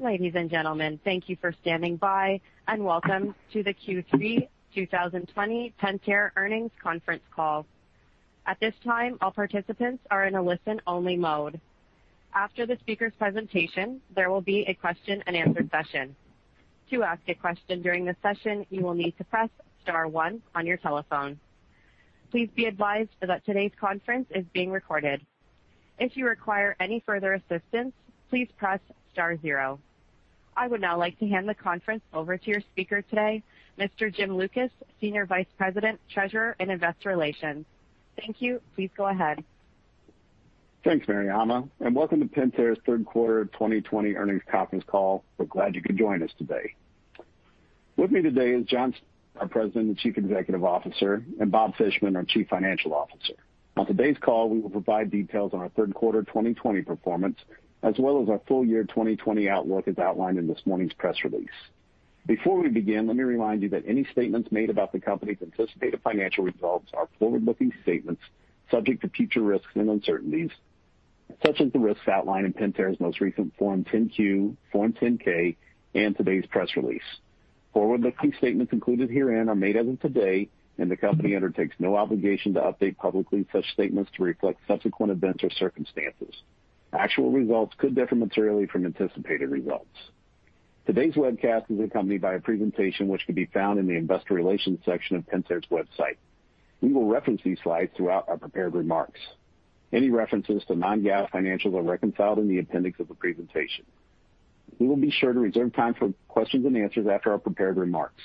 Ladies and gentlemen, thank you for standing by, and welcome to the Q3 2020 Pentair Earnings Conference Call. I would now like to hand the conference over to your speaker today, Mr. Jim Lucas, Senior Vice President, Treasurer, and Investor Relations. Thank you. Please go ahead. Thanks, Mariama, and welcome to Pentair's third quarter 2020 earnings conference call. We're glad you could join us today. With me today is John, our President and Chief Executive Officer, and Bob Fishman, our Chief Financial Officer. On today's call, we will provide details on our third quarter 2020 performance, as well as our full year 2020 outlook as outlined in this morning's press release. Before we begin, let me remind you that any statements made about the company's anticipated financial results are forward-looking statements subject to future risks and uncertainties, such as the risks outlined in Pentair's most recent Form 10-Q, Form 10-K, and today's press release. Forward-looking statements included herein are made as of today, and the company undertakes no obligation to update publicly such statements to reflect subsequent events or circumstances. Actual results could differ materially from anticipated results. Today's webcast is accompanied by a presentation which can be found in the investor relations section of Pentair's website. We will reference these slides throughout our prepared remarks. Any references to non-GAAP financials are reconciled in the appendix of the presentation. We will be sure to reserve time for questions and answers after our prepared remarks.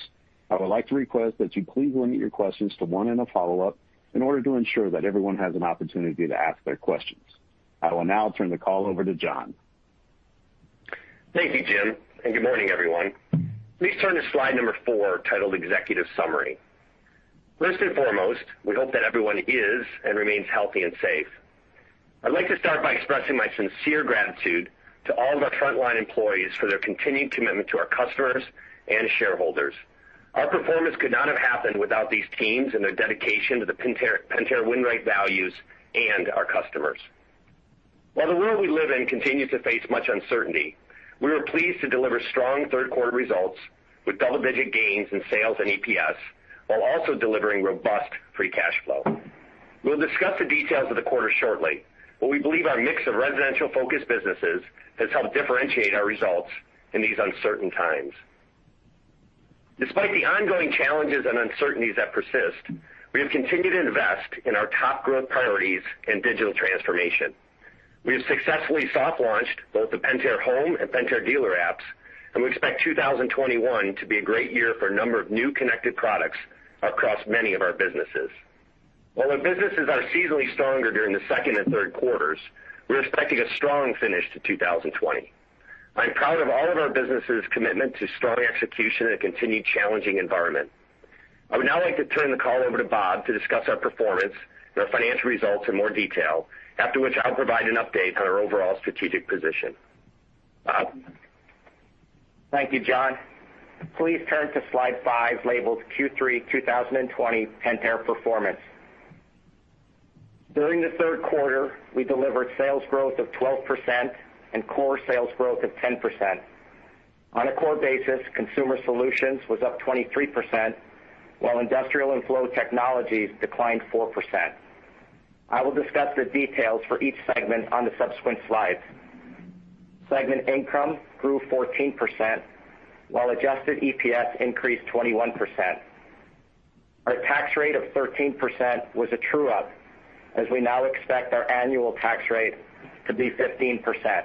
I would like to request that you please limit your questions to one and a follow-up in order to ensure that everyone has an opportunity to ask their questions. I will now turn the call over to John. Thank you, Jim, and good morning, everyone. Please turn to slide number four, titled Executive Summary. First and foremost, we hope that everyone is and remains healthy and safe. I'd like to start by expressing my sincere gratitude to all of our frontline employees for their continued commitment to our customers and shareholders. Our performance could not have happened without these teams and their dedication to the Pentair Win Right values and our customers. While the world we live in continues to face much uncertainty, we were pleased to deliver strong third quarter results with double-digit gains in sales and EPS, while also delivering robust free cash flow. We'll discuss the details of the quarter shortly, but we believe our mix of residential-focused businesses has helped differentiate our results in these uncertain times. Despite the ongoing challenges and uncertainties that persist, we have continued to invest in our top growth priorities in digital transformation. We have successfully soft launched both the Pentair Home and Pentair Dealer apps. We expect 2021 to be a great year for a number of new connected products across many of our businesses. While our businesses are seasonally stronger during the second and third quarters, we're expecting a strong finish to 2020. I'm proud of all of our businesses' commitment to strong execution in a continued challenging environment. I would now like to turn the call over to Bob to discuss our performance and our financial results in more detail, after which I'll provide an update on our overall strategic position. Bob? Thank you, John. Please turn to slide five, labeled Q3 2020 Pentair Performance. During the third quarter, we delivered sales growth of 12% and core sales growth of 10%. On a core basis, Consumer Solutions was up 23%, while Industrial & Flow Technologies declined 4%. I will discuss the details for each segment on the subsequent slides. Segment income grew 14%, while adjusted EPS increased 21%. Our tax rate of 13% was a true-up, as we now expect our annual tax rate to be 15%.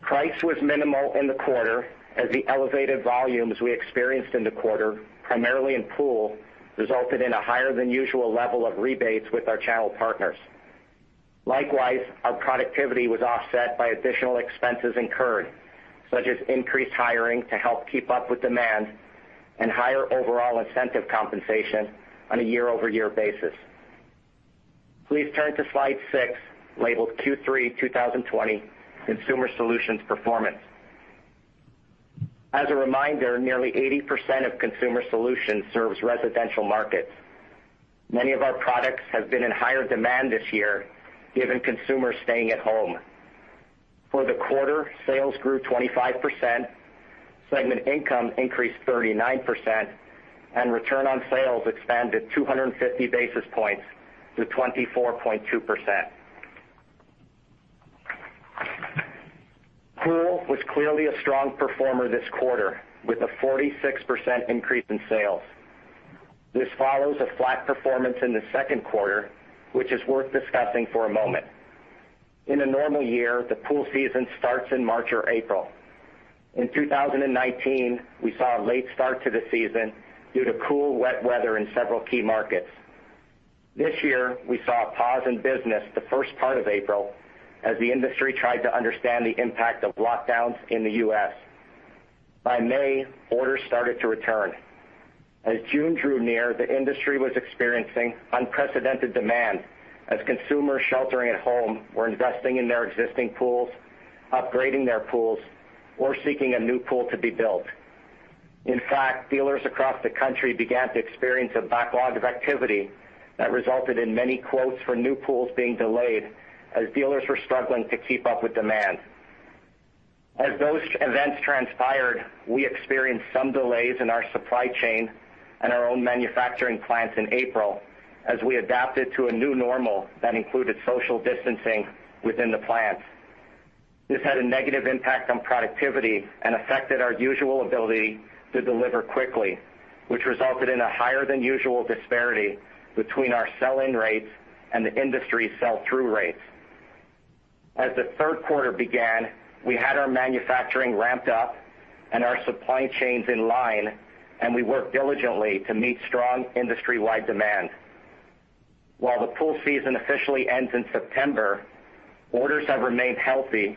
Price was minimal in the quarter as the elevated volumes we experienced in the quarter, primarily in pool, resulted in a higher than usual level of rebates with our channel partners. Likewise, our productivity was offset by additional expenses incurred, such as increased hiring to help keep up with demand and higher overall incentive compensation on a year-over-year basis. Please turn to slide six, labeled Q3 2020 Consumer Solutions Performance. As a reminder, nearly 80% of Consumer Solutions serves residential markets. Many of our products have been in higher demand this year, given consumers staying at home. For the quarter, sales grew 25%, segment income increased 39%, and return on sales expanded 250 basis points to 24.2%. Pool was clearly a strong performer this quarter, with a 46% increase in sales. This follows a flat performance in the second quarter, which is worth discussing for a moment. In a normal year, the Pool season starts in March or April. In 2019, we saw a late start to the season due to cool, wet weather in several key markets. This year, we saw a pause in business the first part of April as the industry tried to understand the impact of lockdowns in the U.S. By May, orders started to return. As June drew near, the industry was experiencing unprecedented demand as consumers sheltering at home were investing in their existing pools, upgrading their pools, or seeking a new pool to be built. In fact, dealers across the country began to experience a backlog of activity that resulted in many quotes for new pools being delayed as dealers were struggling to keep up with demand. As those events transpired, we experienced some delays in our supply chain and our own manufacturing plants in April as we adapted to a new normal that included social distancing within the plants. This had a negative impact on productivity and affected our usual ability to deliver quickly, which resulted in a higher than usual disparity between our selling rates and the industry sell-through rates. As the third quarter began, we had our manufacturing ramped up and our supply chains in line, we worked diligently to meet strong industry-wide demand. While the pool season officially ends in September, orders have remained healthy,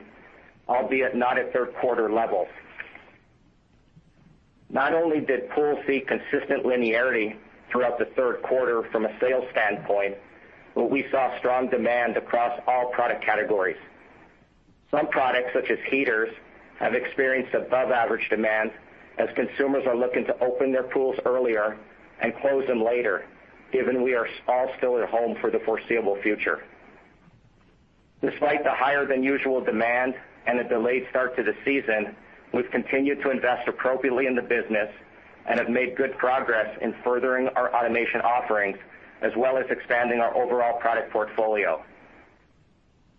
albeit not at third quarter levels. Not only did pool see consistent linearity throughout the third quarter from a sales standpoint, we saw strong demand across all product categories. Some products, such as heaters, have experienced above-average demand as consumers are looking to open their pools earlier and close them later, given we are all still at home for the foreseeable future. Despite the higher than usual demand and a delayed start to the season, we've continued to invest appropriately in the business and have made good progress in furthering our automation offerings, as well as expanding our overall product portfolio.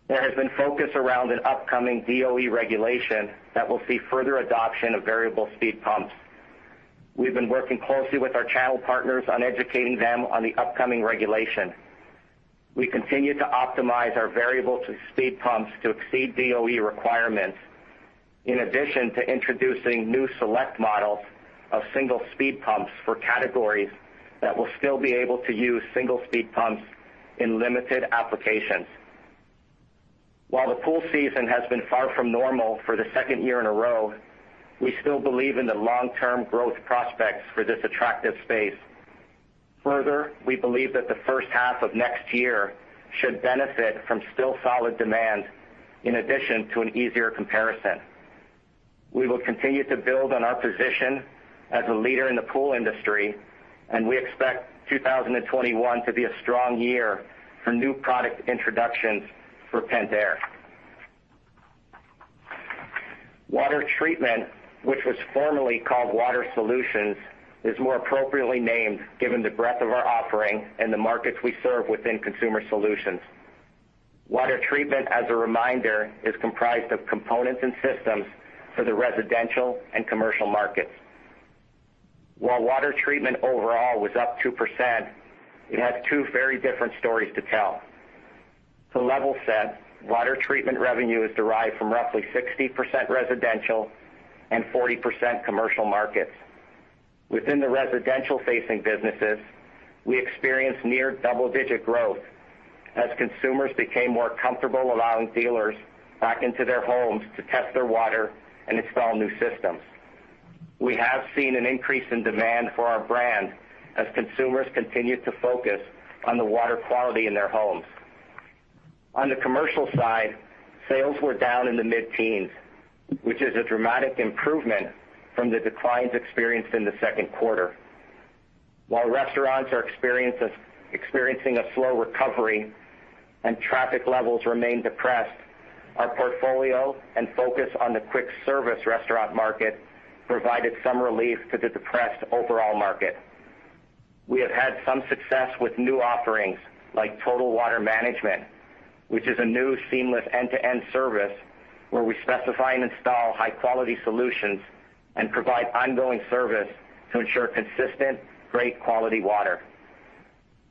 There has been focus around an upcoming DOE regulation that will see further adoption of variable speed pumps. We've been working closely with our channel partners on educating them on the upcoming regulation. We continue to optimize our variable speed pumps to exceed DOE requirements, in addition to introducing new select models of single speed pumps for categories that will still be able to use single speed pumps in limited applications. While the pool season has been far from normal for the second year in a row, we still believe in the long-term growth prospects for this attractive space. Further, we believe that the first half of next year should benefit from still solid demand in addition to an easier comparison. We will continue to build on our position as a leader in the pool industry, and we expect 2021 to be a strong year for new product introductions for Pentair. Water Treatment, which was formerly called Water Solutions, is more appropriately named given the breadth of our offering and the markets we serve within Consumer Solutions. Water Treatment, as a reminder, is comprised of components and systems for the residential and commercial markets. While Water Treatment overall was up 2%, it has two very different stories to tell. To level set, Water Treatment revenue is derived from roughly 60% residential and 40% commercial markets. Within the residential-facing businesses, we experienced near double-digit growth as consumers became more comfortable allowing dealers back into their homes to test their water and install new systems. We have seen an increase in demand for our brand as consumers continue to focus on the water quality in their homes. On the commercial side, sales were down in the mid-teens, which is a dramatic improvement from the declines experienced in the second quarter. While restaurants are experiencing a slow recovery and traffic levels remain depressed, our portfolio and focus on the quick service restaurant market provided some relief to the depressed overall market. We have had some success with new offerings like Total Water Management, which is a new seamless end-to-end service where we specify and install high-quality solutions and provide ongoing service to ensure consistent, great quality water.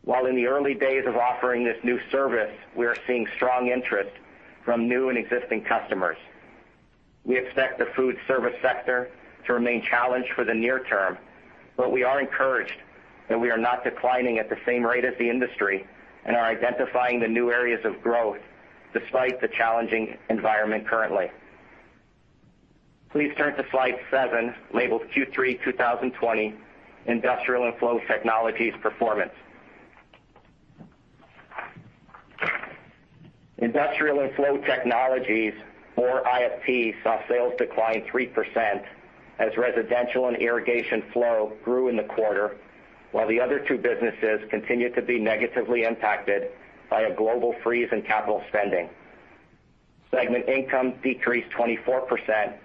While in the early days of offering this new service, we are seeing strong interest from new and existing customers. We expect the food service sector to remain challenged for the near term, but we are encouraged that we are not declining at the same rate as the industry and are identifying the new areas of growth despite the challenging environment currently. Please turn to slide seven, labeled Q3 2020 Industrial and Flow Technologies Performance. Industrial and Flow Technologies, or IFT, saw sales decline 3% as Residential and Irrigation Flow grew in the quarter, while the other two businesses continued to be negatively impacted by a global freeze in capital spending. Segment income decreased 24%,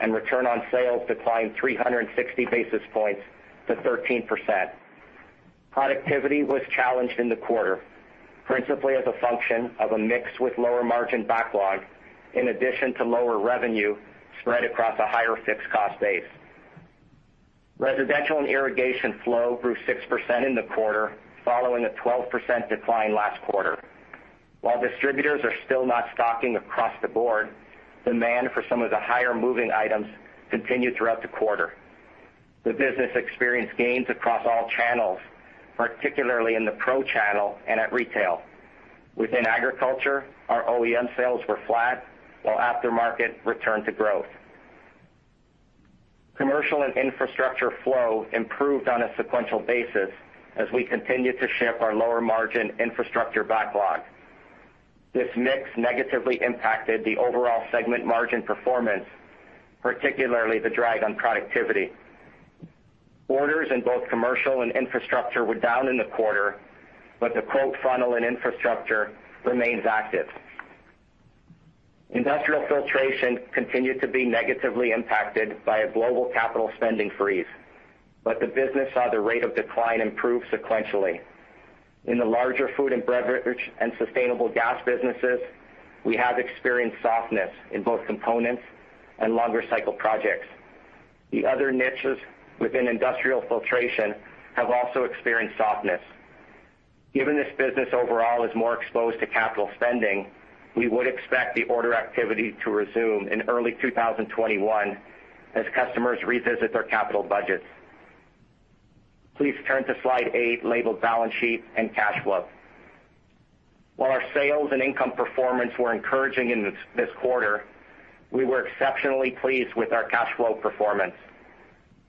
and return on sales declined 360 basis points to 13%. Productivity was challenged in the quarter, principally as a function of a mix with lower margin backlog, in addition to lower revenue spread across a higher fixed cost base. Residential and irrigation flow grew 6% in the quarter following a 12% decline last quarter. While distributors are still not stocking across the board, demand for some of the higher moving items continued throughout the quarter. The business experienced gains across all channels, particularly in the pro channel and at retail. Within agriculture, our OEM sales were flat, while aftermarket returned to growth. Commercial and Infrastructure Flow improved on a sequential basis as we continued to ship our lower margin infrastructure backlog. This mix negatively impacted the overall segment margin performance, particularly the drag on productivity. Orders in both Commercial and Infrastructure were down in the quarter, but the quote funnel in Infrastructure remains active. Industrial Filtration continued to be negatively impacted by a global capital spending freeze, but the business saw the rate of decline improve sequentially. In the larger Food & Beverage and sustainable gas businesses, we have experienced softness in both components and longer cycle projects. The other niches within industrial filtration have also experienced softness. Given this business overall is more exposed to capital spending, we would expect the order activity to resume in early 2021 as customers revisit their capital budgets. Please turn to slide eight, labeled Balance Sheet and Cash Flow. While our sales and income performance were encouraging in this quarter, we were exceptionally pleased with our cash flow performance.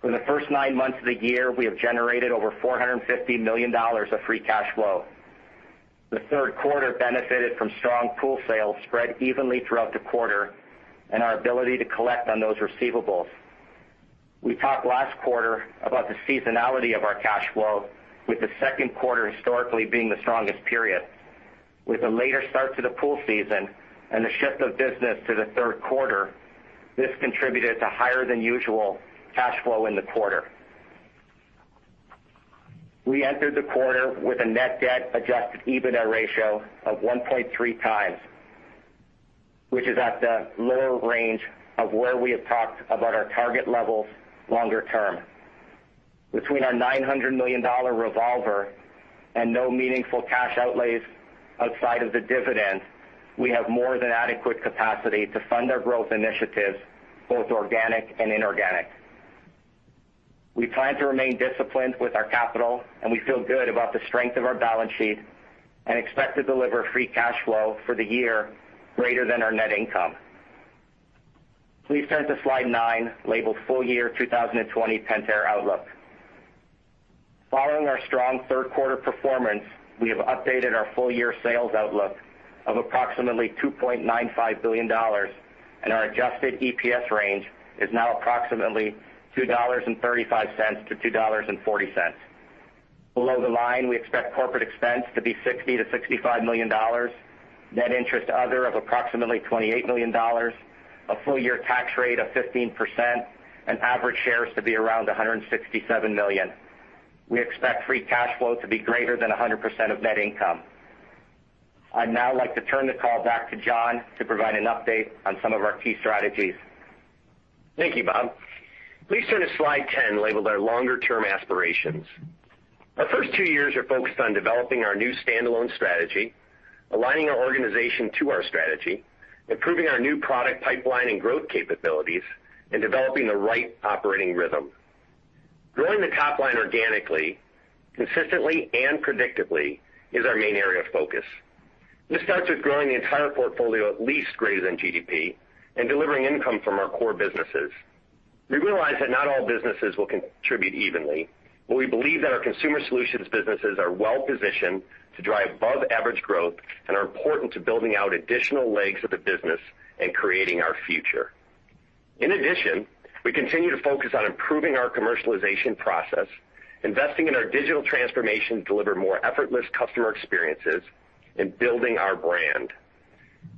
For the first nine months of the year, we have generated over $450 million of free cash flow. The third quarter benefited from strong pool sales spread evenly throughout the quarter and our ability to collect on those receivables. We talked last quarter about the seasonality of our cash flow, with the second quarter historically being the strongest period. With a later start to the pool season and the shift of business to the third quarter, this contributed to higher than usual cash flow in the quarter. We entered the quarter with a net debt Adjusted EBITDA ratio of 1.3x, which is at the lower range of where we have talked about our target levels longer term. Between our $900 million revolver and no meaningful cash outlays outside of the dividend, we have more than adequate capacity to fund our growth initiatives, both organic and inorganic. We plan to remain disciplined with our capital, and we feel good about the strength of our balance sheet and expect to deliver free cash flow for the year greater than our net income. Please turn to slide nine, labeled Full Year 2020 Pentair Outlook. Following our strong third quarter performance, we have updated our full-year sales outlook of approximately $2.95 billion, and our adjusted EPS range is now approximately $2.35-$2.40. Below the line, we expect corporate expense to be $60 million-$65 million, net interest other of approximately $28 million, a full-year tax rate of 15%, and average shares to be around 167 million. We expect free cash flow to be greater than 100% of net income. I'd now like to turn the call back to John to provide an update on some of our key strategies. Thank you, Bob. Please turn to slide 10, labeled Our Longer-Term Aspirations. Our first two years are focused on developing our new standalone strategy, aligning our organization to our strategy, improving our new product pipeline and growth capabilities, and developing the right operating rhythm. Growing the top line organically, consistently, and predictably is our main area of focus. This starts with growing the entire portfolio at least greater than GDP and delivering income from our core businesses. We realize that not all businesses will contribute evenly, but we believe that our Consumer Solutions businesses are well-positioned to drive above-average growth and are important to building out additional legs of the business and creating our future. In addition, we continue to focus on improving our commercialization process, investing in our digital transformation to deliver more effortless customer experiences, and building our brand.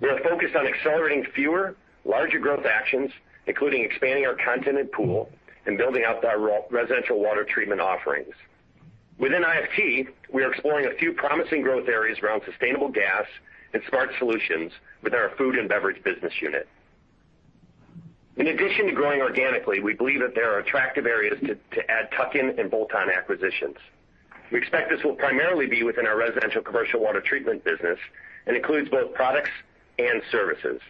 We are focused on accelerating fewer, larger growth actions, including expanding our content in pool and building out our residential Water Treatment offerings. Within IFT, we are exploring a few promising growth areas around sustainable gas and smart solutions with our Food & Beverage business unit. In addition to growing organically, we believe that there are attractive areas to add tuck-in and bolt-on acquisitions. We expect this will primarily be within our residential commercial Water Treatment business and includes both products and services.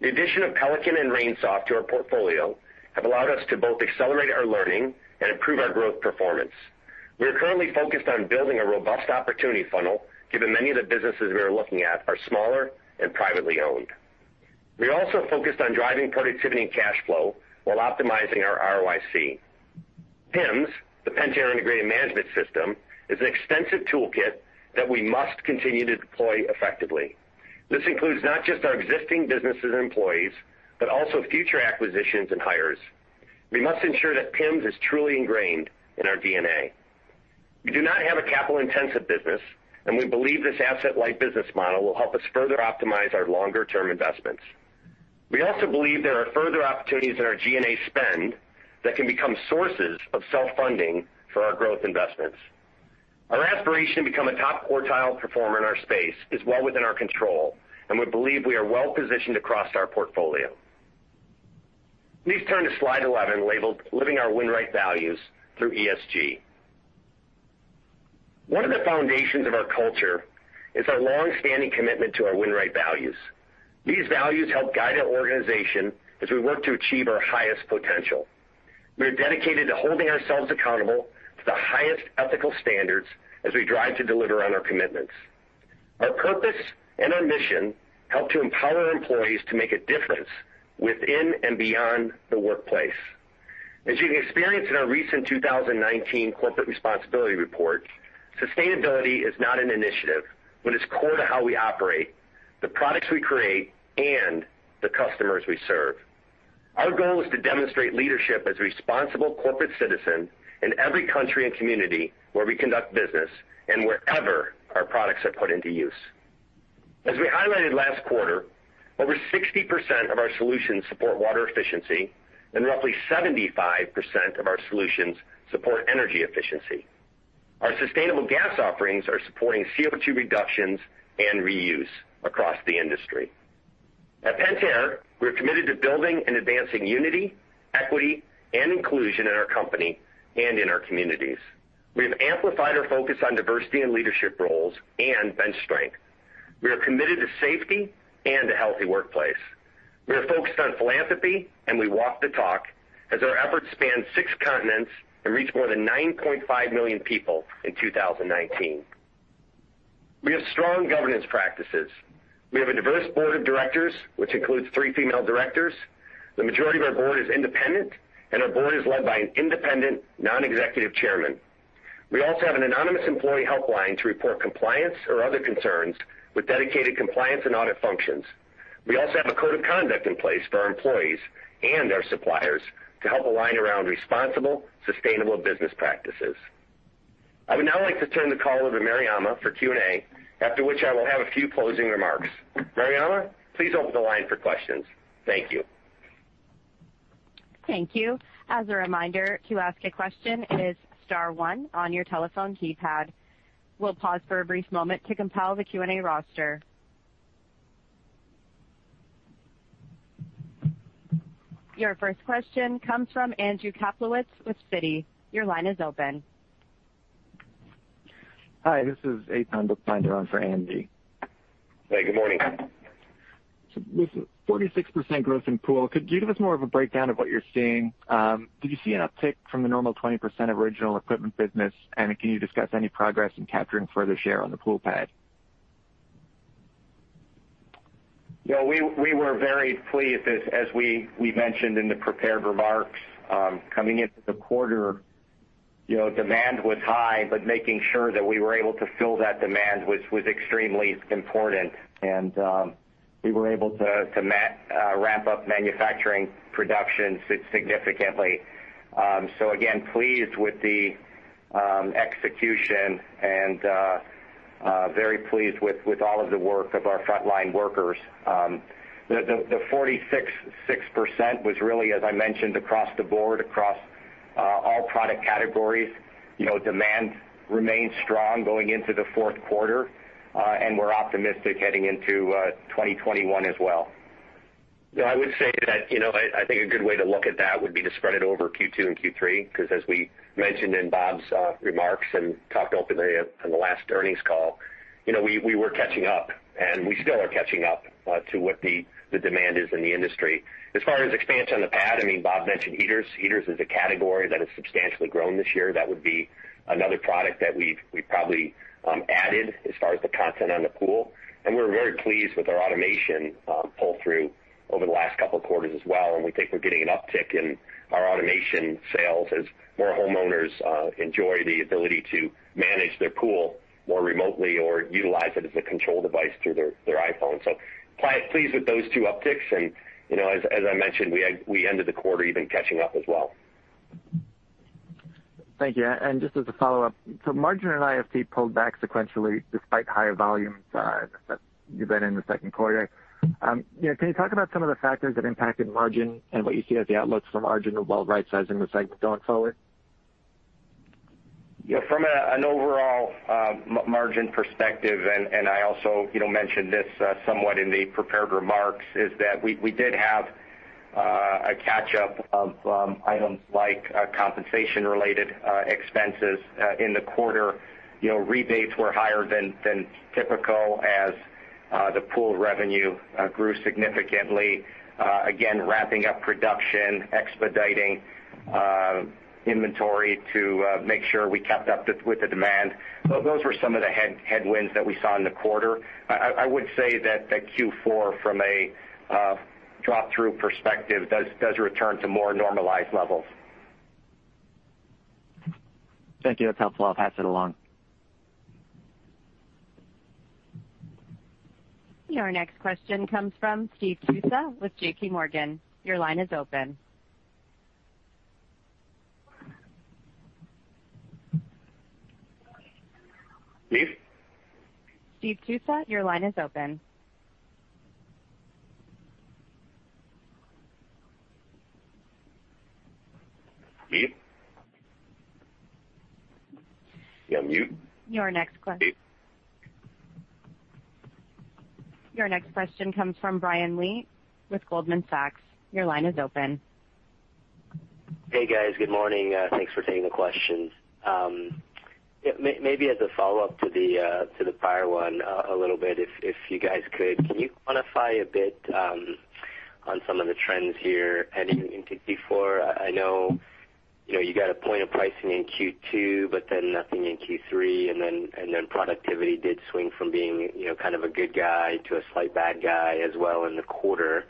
The addition of Pelican and RainSoft to our portfolio have allowed us to both accelerate our learning and improve our growth performance. We are currently focused on building a robust opportunity funnel, given many of the businesses we are looking at are smaller and privately owned. We also focused on driving productivity and cash flow while optimizing our ROIC. PIMS, the Pentair Integrated Management System, is an extensive toolkit that we must continue to deploy effectively. This includes not just our existing businesses and employees, but also future acquisitions and hires. We must ensure that PIMS is truly ingrained in our DNA. We do not have a capital-intensive business, and we believe this asset-light business model will help us further optimize our longer-term investments. We also believe there are further opportunities in our G&A spend that can become sources of self-funding for our growth investments. Our aspiration to become a top quartile performer in our space is well within our control, and we believe we are well-positioned across our portfolio. Please turn to slide 11, labeled Living Our Win Right Values Through ESG. One of the foundations of our culture is our long-standing commitment to our Win Right values. These values help guide our organization as we work to achieve our highest potential. We are dedicated to holding ourselves accountable to the highest ethical standards as we drive to deliver on our commitments. Our purpose and our mission help to empower employees to make a difference within and beyond the workplace. As you can experience in our recent 2019 corporate responsibility report, sustainability is not an initiative, but it's core to how we operate, the products we create, and the customers we serve. Our goal is to demonstrate leadership as a responsible corporate citizen in every country and community where we conduct business and wherever our products are put into use. As we highlighted last quarter, over 60% of our solutions support water efficiency, and roughly 75% of our solutions support energy efficiency. Our sustainable gas offerings are supporting CO2 reductions and reuse across the industry. At Pentair, we're committed to building and advancing unity, equity, and inclusion in our company and in our communities. We have amplified our focus on diversity in leadership roles and bench strength. We are committed to safety and a healthy workplace. We are focused on philanthropy, and we walk the talk, as our efforts span six continents and reach more than 9.5 million people in 2019. We have strong governance practices. We have a diverse board of directors, which includes three female directors. The majority of our board is independent, and our board is led by an independent non-executive chairman. We also have an anonymous employee helpline to report compliance or other concerns, with dedicated compliance and audit functions. We also have a code of conduct in place for our employees and our suppliers to help align around responsible, sustainable business practices. I would now like to turn the call over to Mariama for Q&A, after which I will have a few closing remarks. Mariama, please open the line for questions. Thank you. Thank you. As a reminder, to ask a question, it is star one on your telephone keypad. We will pause for a brief moment to compile the Q&A roster. Your first question comes from Andrew Kaplowitz with Citi. Your line is open. Hi, this is Eitan Buchbinder on for Andy. Hey, good morning. With 46% growth in pool, could you give us more of a breakdown of what you're seeing? Did you see an uptick from the normal 20% of original equipment business? Can you discuss any progress in capturing further share on the pool pad? We were very pleased as we mentioned in the prepared remarks, coming into the quarter, demand was high, but making sure that we were able to fill that demand was extremely important. We were able to ramp up manufacturing production significantly. Again, pleased with the execution and very pleased with all of the work of our frontline workers. The 46% was really, as I mentioned, across the board, across all product categories. Demand remains strong going into the fourth quarter, and we're optimistic heading into 2021 as well. Yeah, I would say that I think a good way to look at that would be to spread it over Q2 and Q3, because as we mentioned in Bob's remarks and talked openly on the last earnings call, we were catching up, and we still are catching up to what the demand is in the industry. As far as expansion on the pad, Bob mentioned heaters. Heaters is a category that has substantially grown this year. That would be another product that we probably added as far as the content on the pool. We're very pleased with our automation pull-through over the last couple of quarters as well, and we think we're getting an uptick in our automation sales as more homeowners enjoy the ability to manage their pool more remotely or utilize it as a control device through their iPhone. Quite pleased with those two upticks, and as I mentioned, we ended the quarter even catching up as well. Thank you. Just as a follow-up, margin in IFT pulled back sequentially despite higher volumes than you've had in the second quarter. Can you talk about some of the factors that impacted margin and what you see as the outlook for margin while rightsizing the segment going forward? From an overall margin perspective, I also mentioned this somewhat in the prepared remarks, is that we did have a catch-up of items like compensation-related expenses in the quarter. Rebates were higher than typical as the pool revenue grew significantly. Again, ramping up production, expediting inventory to make sure we kept up with the demand. Those were some of the headwinds that we saw in the quarter. I would say that Q4, from a drop-through perspective, does return to more normalized levels. Thank you. That's helpful. I'll pass it along. Your next question comes from Steve Tusa with JPMorgan. Your line is open. Steve? Steve Tusa, your line is open. Steve? You on mute? Your next question. Steve? Your next question comes from Brian Lee with Goldman Sachs. Your line is open. Hey, guys. Good morning. Thanks for taking the questions. Maybe as a follow-up to the prior one a little bit, if you guys could, can you quantify a bit on some of the trends here heading into Q4? I know. You got a point of pricing in Q2. Nothing in Q3. Productivity did swing from being kind of a good guy to a slight bad guy as well in the quarter.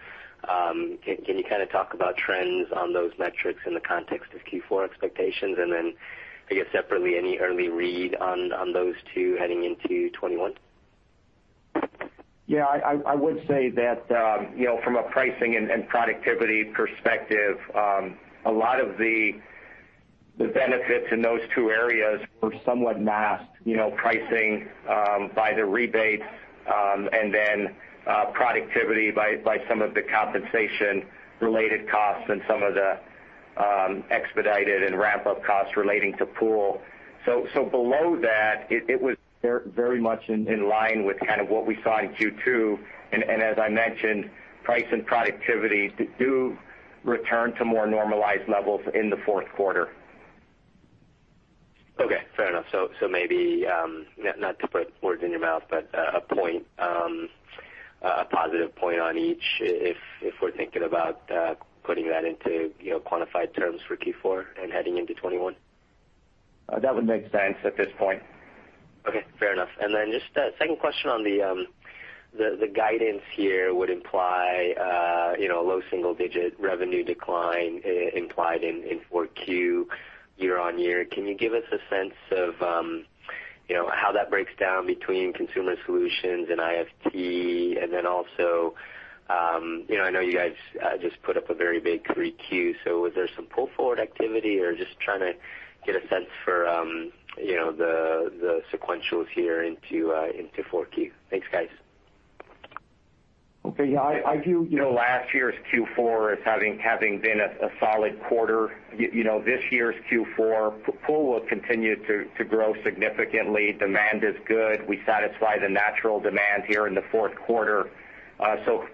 Can you talk about trends on those metrics in the context of Q4 expectations? I guess separately, any early read on those two heading into 2021? Yeah. I would say that from a pricing and productivity perspective, a lot of the benefits in those two areas were somewhat masked, pricing by the rebates, productivity by some of the compensation-related costs and some of the expedited and ramp-up costs relating to pool. Below that, it was very much in line with kind of what we saw in Q2. As I mentioned, price and productivity do return to more normalized levels in the fourth quarter. Okay, fair enough. Maybe, not to put words in your mouth, but a positive point on each, if we're thinking about putting that into quantified terms for Q4 and heading into 2021? That would make sense at this point. Okay, fair enough. Just a second question on the guidance here would imply a low single-digit revenue decline implied in 4Q year-over-year. Can you give us a sense of how that breaks down between Consumer Solutions and IFT? Also, I know you guys just put up a very big 3Q, was there some pull-forward activity? Just trying to get a sense for the sequentials here into 4Q. Thanks, guys. Last year's Q4 as having been a solid quarter. This year's Q4, pool will continue to grow significantly. Demand is good. We satisfy the natural demand here in the fourth quarter.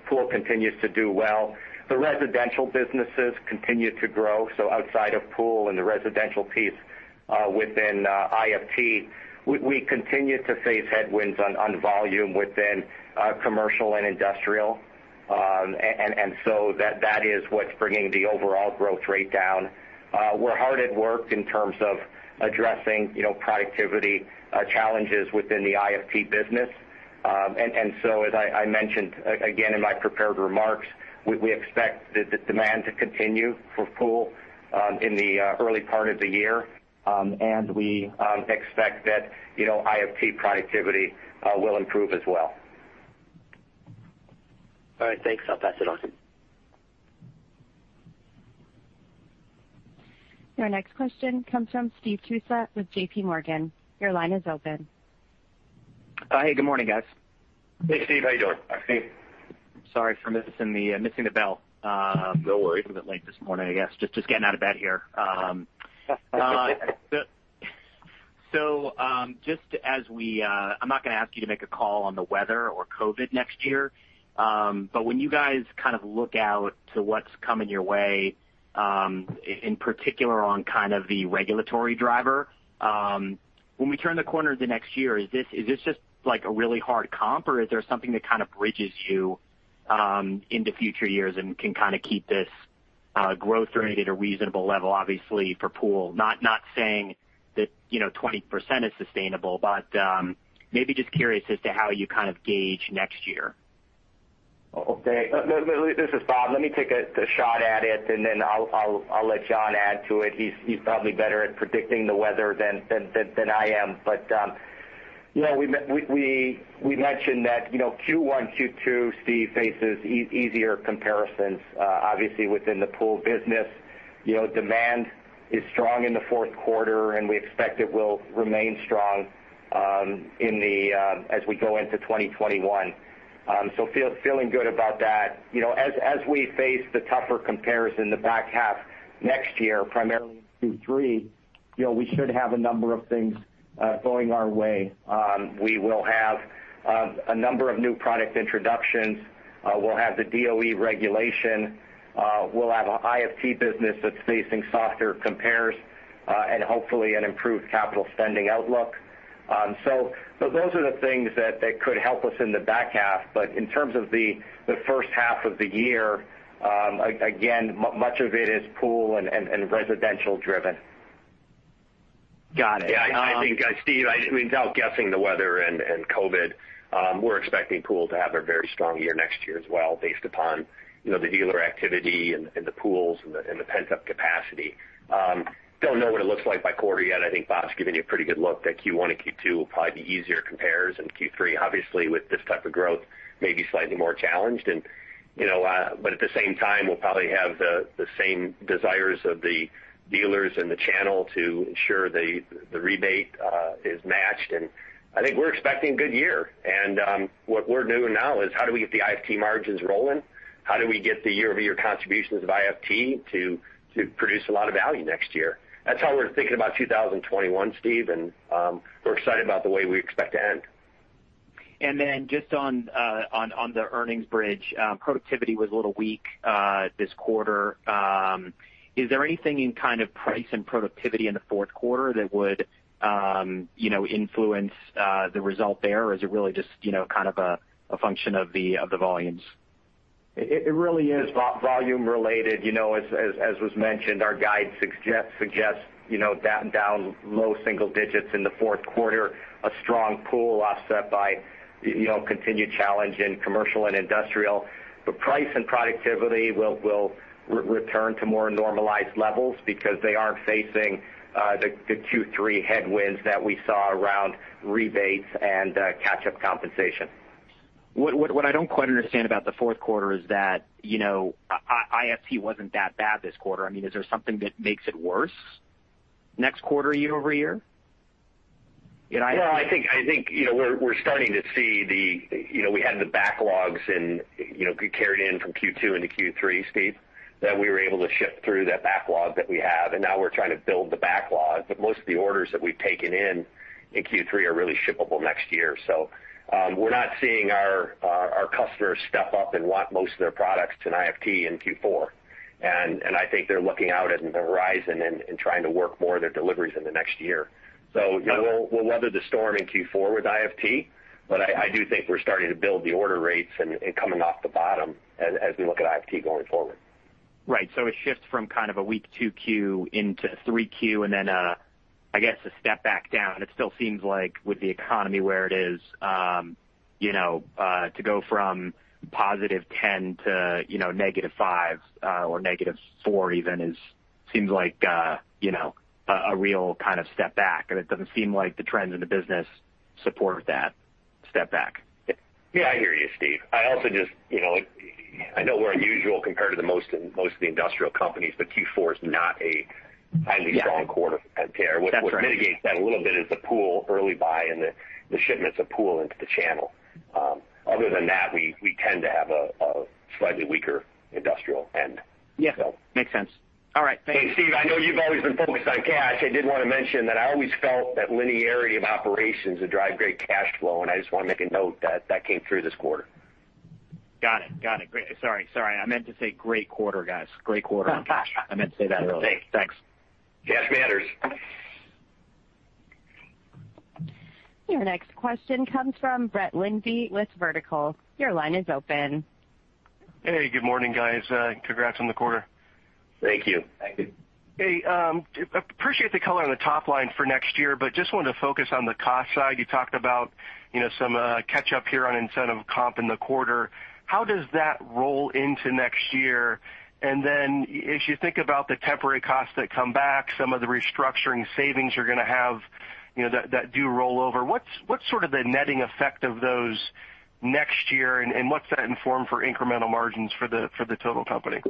Pool continues to do well. The residential businesses continue to grow, so outside of pool and the residential piece within IFT. We continue to face headwinds on volume within commercial and industrial. That is what's bringing the overall growth rate down. We're hard at work in terms of addressing productivity challenges within the IFT business. As I mentioned again in my prepared remarks, we expect the demand to continue for pool in the early part of the year, and we expect that IFT productivity will improve as well. All right, thanks. I'll pass it on. Your next question comes from Steve Tusa with JPMorgan. Your line is open. Hi, good morning, guys. Hey, Steve, how you doing? Sorry for missing the bell. No worries. A bit late this morning, I guess. Just getting out of bed here. I'm not going to ask you to make a call on the weather or COVID next year, but when you guys kind of look out to what's coming your way, in particular on kind of the regulatory driver, when we turn the corner into next year, is this just a really hard comp, or is there something that kind of bridges you into future years and can kind of keep this growth rate at a reasonable level, obviously, for pool? Not saying that 20% is sustainable, but maybe just curious as to how you kind of gauge next year. Okay. This is Bob. Let me take a shot at it, and then I'll let John add to it. He's probably better at predicting the weather than I am. We mentioned that Q1, Q2, Steve, faces easier comparisons obviously within the pool business. Demand is strong in the fourth quarter, and we expect it will remain strong as we go into 2021. Feeling good about that. As we face the tougher comparison in the back half next year, primarily in Q3, we should have a number of things going our way. We will have a number of new product introductions. We'll have the DOE regulation. We'll have an IFT business that's facing softer compares, and hopefully an improved capital spending outlook. Those are the things that could help us in the back half. In terms of the first half of the year, again, much of it is pool and residential driven. Got it. Yeah. I think, Steve, without guessing the weather and COVID, we're expecting pool to have a very strong year next year as well based upon the dealer activity and the pools and the pent-up capacity. Don't know what it looks like by quarter yet. I think Bob's given you a pretty good look that Q1 and Q2 will probably be easier compares than Q3. Obviously, with this type of growth, may be slightly more challenged. At the same time, we'll probably have the same desires of the dealers and the channel to ensure the rebate is matched. I think we're expecting a good year. What we're doing now is how do we get the IFT margins rolling? How do we get the year-over-year contributions of IFT to produce a lot of value next year? That's how we're thinking about 2021, Steve, and we're excited about the way we expect to end. Just on the earnings bridge, productivity was a little weak this quarter. Is there anything in kind of price and productivity in the fourth quarter that would influence the result there? Is it really just kind of a function of the volumes? It really is. It's volume related. As was mentioned, our guide suggests down low single digits in the fourth quarter, a strong pool offset by continued challenge in Commercial and Industrial. Price and productivity will return to more normalized levels because they aren't facing the Q3 headwinds that we saw around rebates and catch-up compensation. What I don't quite understand about the fourth quarter is that, IFT wasn't that bad this quarter. Is there something that makes it worse next quarter year-over-year? No, I think we're starting to see the backlogs carried in from Q2 into Q3, Steve, that we were able to ship through that backlog that we have, and now we're trying to build the backlog. Most of the orders that we've taken in in Q3 are really shippable next year. We're not seeing our customers step up and want most of their products in IFT in Q4. I think they're looking out into the horizon and trying to work more of their deliveries in the next year. We'll weather the storm in Q4 with IFT, but I do think we're starting to build the order rates and coming off the bottom as we look at IFT going forward. Right. A shift from kind of a weak 2Q into 3Q, and then, I guess, a step back down. It still seems like with the economy where it is, to go from +10% to -5% or -4% even seems like a real kind of step back, and it doesn't seem like the trends in the business support that step back. Yeah, I hear you, Steve. I know we're unusual compared to most of the industrial companies, but Q4 is not a highly strong quarter for Pentair. That's right. What mitigates that a little bit is the pool early buy and the shipments of pool into the channel. Other than that, we tend to have a slightly weaker industrial end. Yeah. Makes sense. All right. Thanks. Hey, Steve, I know you've always been focused on cash. I did want to mention that I always felt that linearity of operations would drive great cash flow, and I just want to make a note that that came through this quarter. Got it. Great. Sorry, I meant to say great quarter, guys. Great quarter on cash. I meant to say that earlier. Thanks. Cash matters. Your next question comes from Brett Linzey with Vertical. Your line is open. Hey, good morning, guys. Congrats on the quarter. Thank you. Thank you. Hey, appreciate the color on the top line for next year, but just wanted to focus on the cost side. You talked about some catch up here on incentive comp in the quarter. How does that roll into next year? As you think about the temporary costs that come back, some of the restructuring savings you're going to have that do roll over, what's sort of the netting effect of those next year, and what's that inform for incremental margins for the total company?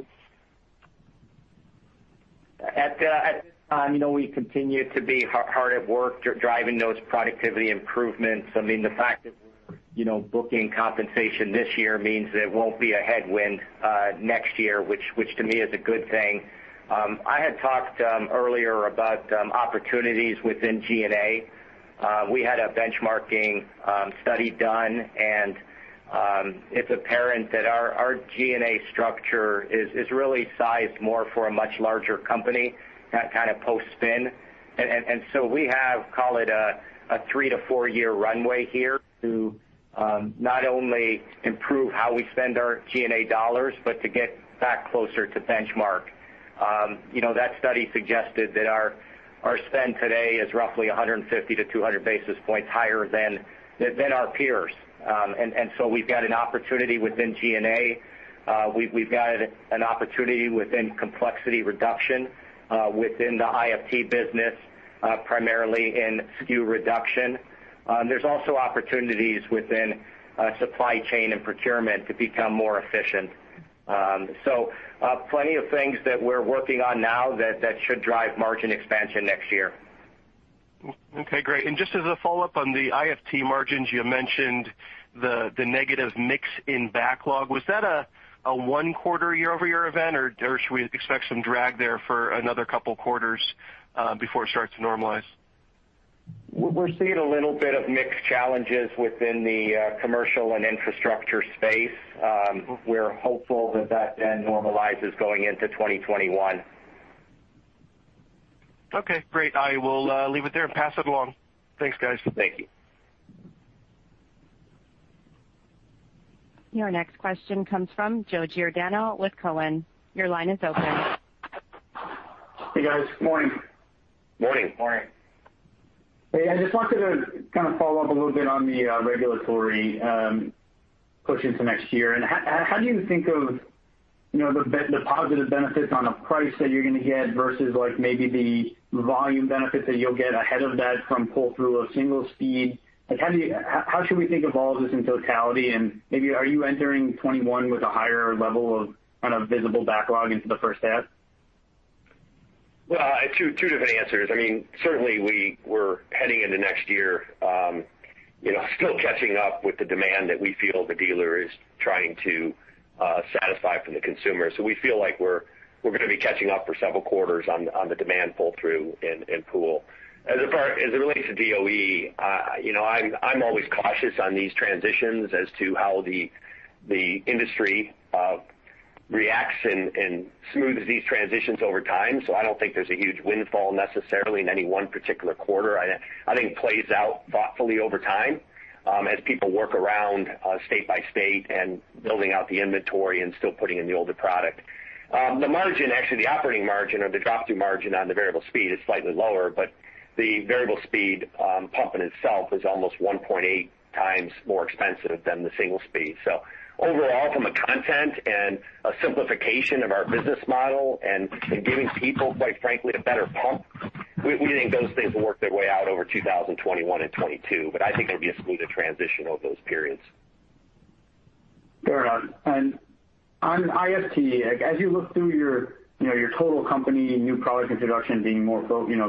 At this time, we continue to be hard at work driving those productivity improvements. The fact that we're booking compensation this year means that it won't be a headwind next year, which to me is a good thing. I had talked earlier about opportunities within G&A. We had a benchmarking study done, it's apparent that our G&A structure is really sized more for a much larger company, kind of post-spin. We have, call it a three to four-year runway here to not only improve how we spend our G&A dollars, but to get back closer to benchmark. That study suggested that our spend today is roughly 150-200 basis points higher than our peers. We've got an opportunity within G&A. We've got an opportunity within complexity reduction within the IFT business, primarily in SKU reduction. There's also opportunities within supply chain and procurement to become more efficient. Plenty of things that we're working on now that should drive margin expansion next year. Okay, great. Just as a follow-up on the IFT margins, you mentioned the negative mix in backlog. Was that a one quarter year-over-year event, or should we expect some drag there for another couple quarters before it starts to normalize? We're seeing a little bit of mix challenges within the Commercial and Infrastructure space. We're hopeful that that then normalizes going into 2021. Okay, great. I will leave it there and pass it along. Thanks, guys. Thank you. Your next question comes from Joe Giordano with Cowen. Your line is open. Hey, guys. Morning. Morning. Morning. Hey, I just wanted to kind of follow up a little bit on the regulatory push into next year. How do you think of the positive benefits on a price that you're going to get versus maybe the volume benefits that you'll get ahead of that from pull through a single speed? How should we think of all this in totality, and maybe are you entering 2021 with a higher level of visible backlog into the first half? Well, two different answers. Certainly we're heading into next year still catching up with the demand that we feel the dealer is trying to satisfy from the consumer. We feel like we're going to be catching up for several quarters on the demand pull-through and pool. As it relates to DOE, I'm always cautious on these transitions as to how the industry reacts and smooths these transitions over time. I don't think there's a huge windfall necessarily in any one particular quarter. I think it plays out thoughtfully over time as people work around state by state and building out the inventory and still putting in the older product. The margin, actually the operating margin or the drop-through margin on the variable speed is slightly lower, but the variable speed pump in itself is almost 1.8x more expensive than the single speed. Overall, from a content and a simplification of our business model and giving people, quite frankly, a better pump, we think those things will work their way out over 2021 and 2022. I think it'll be a smoother transition over those periods. Fair enough. On IFT, as you look through your total company, new product introduction being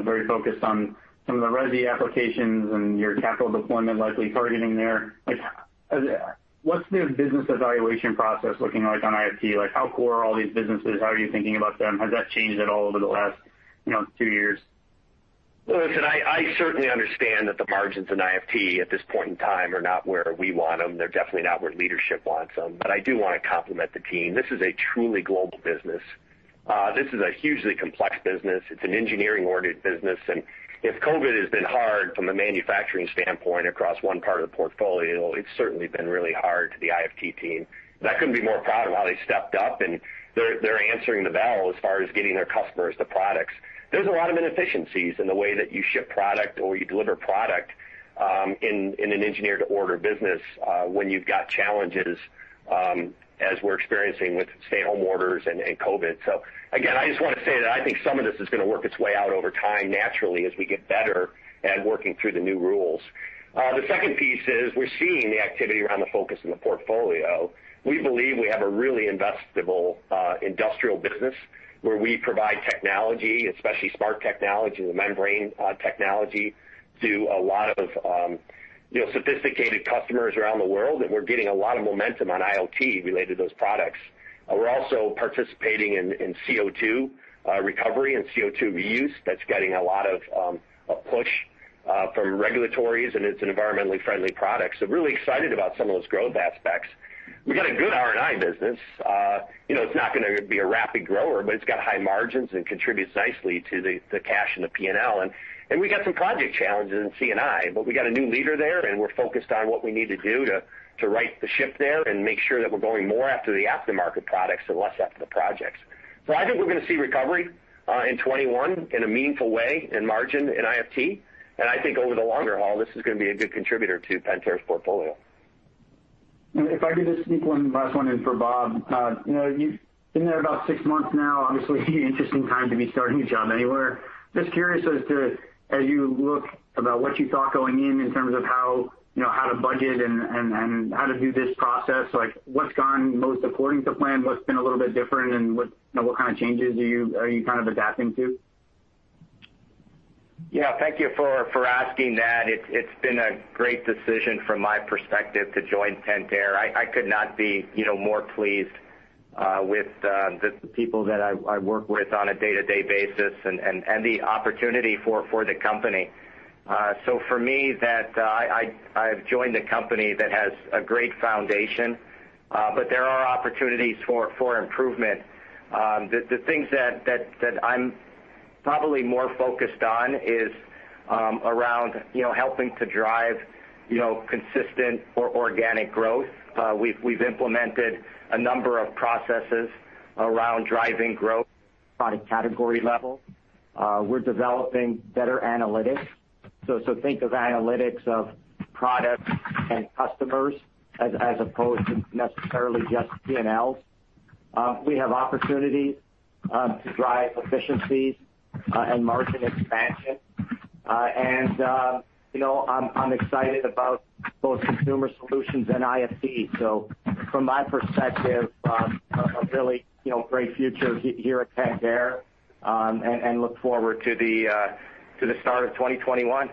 very focused on some of the resi applications and your capital deployment likely targeting there, what's the business evaluation process looking like on IFT? How core are all these businesses? How are you thinking about them? Has that changed at all over the last two years? I certainly understand that the margins in IFT at this point in time are not where we want them. They're definitely not where leadership wants them. I do want to compliment the team. This is a truly global business. This is a hugely complex business. It's an engineer-to-order business. If COVID has been hard from a manufacturing standpoint across one part of the portfolio, it's certainly been really hard to the IFT team. I couldn't be more proud of how they stepped up, and they're answering the bell as far as getting their customers the products. There's a lot of inefficiencies in the way that you ship product or you deliver product in an engineer-to-order business when you've got challenges as we're experiencing with stay-at-home orders and COVID. Again, I just want to say that I think some of this is going to work its way out over time naturally as we get better at working through the new rules. The second piece is we're seeing the activity around the focus in the portfolio. We believe we have a really investable industrial business where we provide technology, especially smart technology, the membrane technology, to a lot of sophisticated customers around the world, and we're getting a lot of momentum on IoT related to those products. We're also participating in CO2 recovery and CO2 reuse. That's getting a lot of push from regulators, and it's an environmentally friendly product. Really excited about some of those growth aspects. We've got a good R&I business. It's not going to be a rapid grower, but it's got high margins and contributes nicely to the cash and the P&L. We got some project challenges in C&I, but we got a new leader there, and we're focused on what we need to do to right the ship there and make sure that we're going more after the aftermarket products and less after the projects. I think we're going to see recovery in 2021 in a meaningful way in margin in IFT. I think over the longer haul, this is going to be a good contributor to Pentair's portfolio. If I could just sneak one last one in for Bob. You've been there about six months now. Obviously, interesting time to be starting a job anywhere. Just curious as to, as you look about what you thought going in terms of how to budget and how to do this process, what's gone most according to plan, what's been a little bit different, and what kind of changes are you kind of adapting to? Yeah. Thank you for asking that. It's been a great decision from my perspective to join Pentair. I could not be more pleased with the people that I work with on a day-to-day basis and the opportunity for the company. For me, I've joined a company that has a great foundation, but there are opportunities for improvement. The things that I'm probably more focused on is around helping to drive consistent or organic growth. We've implemented a number of processes around driving growth by the category level. We're developing better analytics. Think of analytics of product and customers as opposed to necessarily just P&Ls. We have opportunities to drive efficiencies and margin expansion. I'm excited about both Consumer Solutions and IFT. From my perspective, a really great future here at Pentair, and look forward to the start of 2021.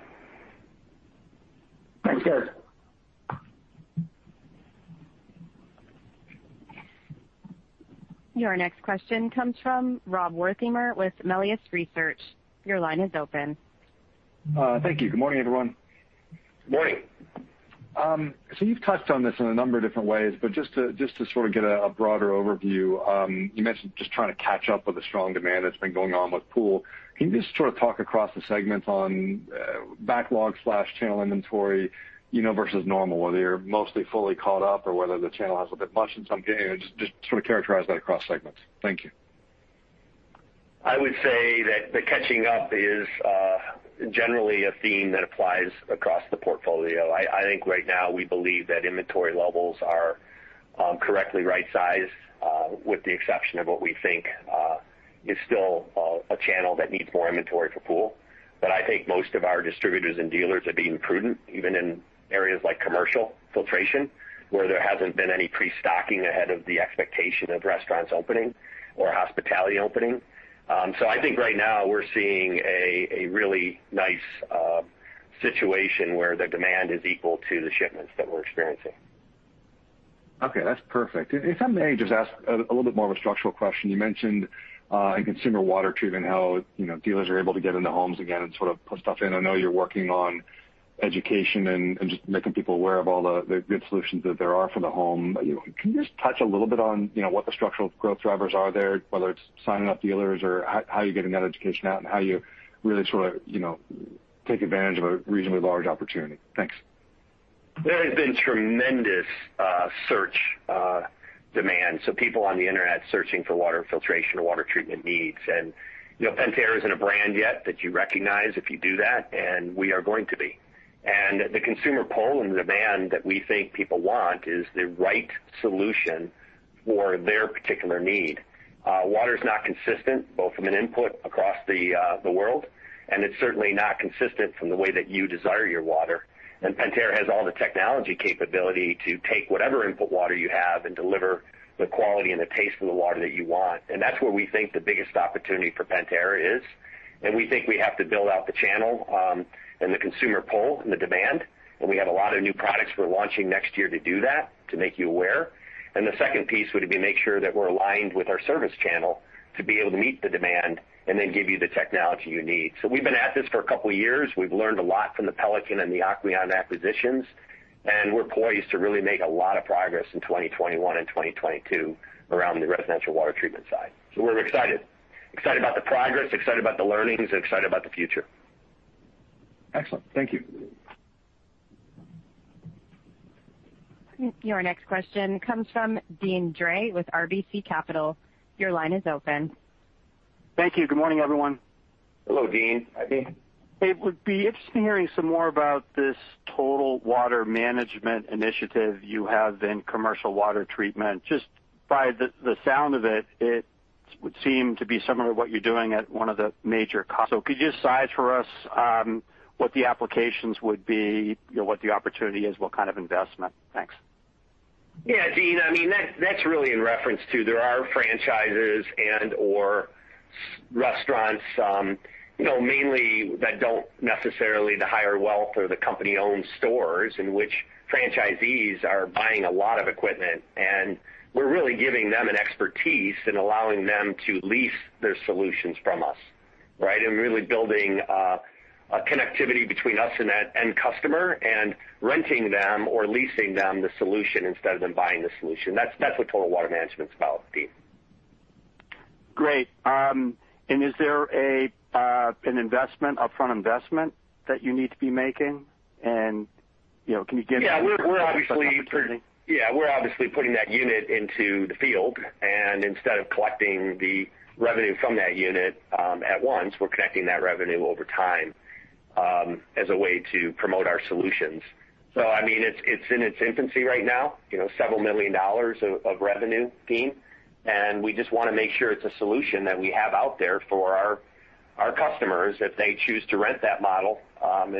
Thanks, guys. Your next question comes from Rob Wertheimer with Melius Research. Your line is open. Thank you. Good morning, everyone. Good morning. You've touched on this in a number of different ways, but just to sort of get a broader overview. You mentioned just trying to catch up with the strong demand that's been going on with pool. Can you just sort of talk across the segments on backlog/channel inventory versus normal, whether you're mostly fully caught up or whether the channel has a bit much? Just sort of characterize that across segments. Thank you. I would say that the catching up is generally a theme that applies across the portfolio. I think right now we believe that inventory levels are correctly right-sized, with the exception of what we think is still a channel that needs more inventory for pool. I think most of our distributors and dealers are being prudent, even in areas like commercial filtration, where there hasn't been any pre-stocking ahead of the expectation of restaurants opening or hospitality opening. I think right now we're seeing a really nice situation where the demand is equal to the shipments that we're experiencing. Okay, that's perfect. If I may just ask a little bit more of a structural question. You mentioned in consumer Water Treatment how dealers are able to get into homes again and put stuff in. I know you're working on education and just making people aware of all the good solutions that there are for the home. Can you just touch a little bit on what the structural growth drivers are there, whether it's signing up dealers or how you're getting that education out and how you really take advantage of a reasonably large opportunity? Thanks. There has been tremendous search demand, people on the Internet searching for water filtration or water treatment needs. Pentair isn't a brand yet that you recognize if you do that, and we are going to be. The consumer pull and demand that we think people want is the right solution for their particular need. Water is not consistent, both from an input across the world, and it's certainly not consistent from the way that you desire your water. Pentair has all the technology capability to take whatever input water you have and deliver the quality and the taste of the water that you want. That's where we think the biggest opportunity for Pentair is. We think we have to build out the channel and the consumer pull and the demand. We have a lot of new products we're launching next year to do that, to make you aware. The second piece would be make sure that we're aligned with our service channel to be able to meet the demand and then give you the technology you need. We've been at this for a couple of years. We've learned a lot from the Pelican and the Aquion acquisitions, and we're poised to really make a lot of progress in 2021 and 2022 around the residential water treatment side. We're excited. Excited about the progress, excited about the learnings, and excited about the future. Excellent. Thank you. Your next question comes from Deane Dray with RBC Capital. Your line is open. Thank you. Good morning, everyone. Hello, Deane. Hi, Deane. It would be interesting hearing some more about this Total Water Management initiative you have in commercial water treatment. Just by the sound of it would seem to be similar to what you're doing at one of the major, could you size for us what the applications would be, what the opportunity is, what kind of investment? Thanks. Yeah, Deane, that's really in reference to there are franchises and/or restaurants mainly that don't necessarily the higher wealth or the company-owned stores in which franchisees are buying a lot of equipment. We're really giving them an expertise in allowing them to lease their solutions from us, right? Really building a connectivity between us and that end customer and renting them or leasing them the solution instead of them buying the solution. That's what Total Water Management's about, Deane. Great. Is there an upfront investment that you need to be making? Can you give me- Yeah, we're obviously putting that unit into the field, and instead of collecting the revenue from that unit at once, we're collecting that revenue over time as a way to promote our solutions. It's in its infancy right now, $ several million of revenue, Deane. We just want to make sure it's a solution that we have out there for our customers if they choose to rent that model.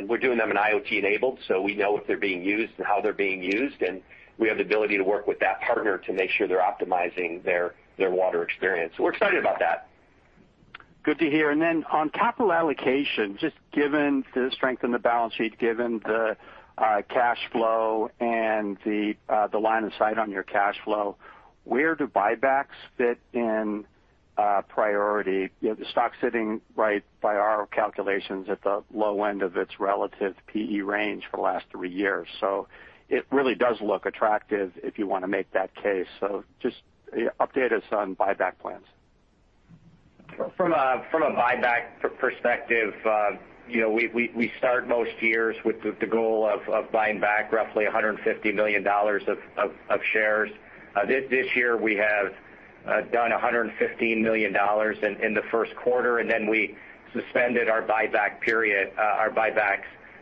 We're doing them in IoT enabled, so we know if they're being used and how they're being used, and we have the ability to work with that partner to make sure they're optimizing their water experience. We're excited about that. Good to hear. On capital allocation, just given the strength in the balance sheet, given the cash flow and the line of sight on your cash flow, where do buybacks fit in priority? The stock's sitting right by our calculations at the low end of its relative PE range for the last three years. It really does look attractive if you want to make that case. Just update us on buyback plans. From a buyback perspective, we start most years with the goal of buying back roughly $150 million of shares. This year we have done $115 million in the first quarter. We suspended our buybacks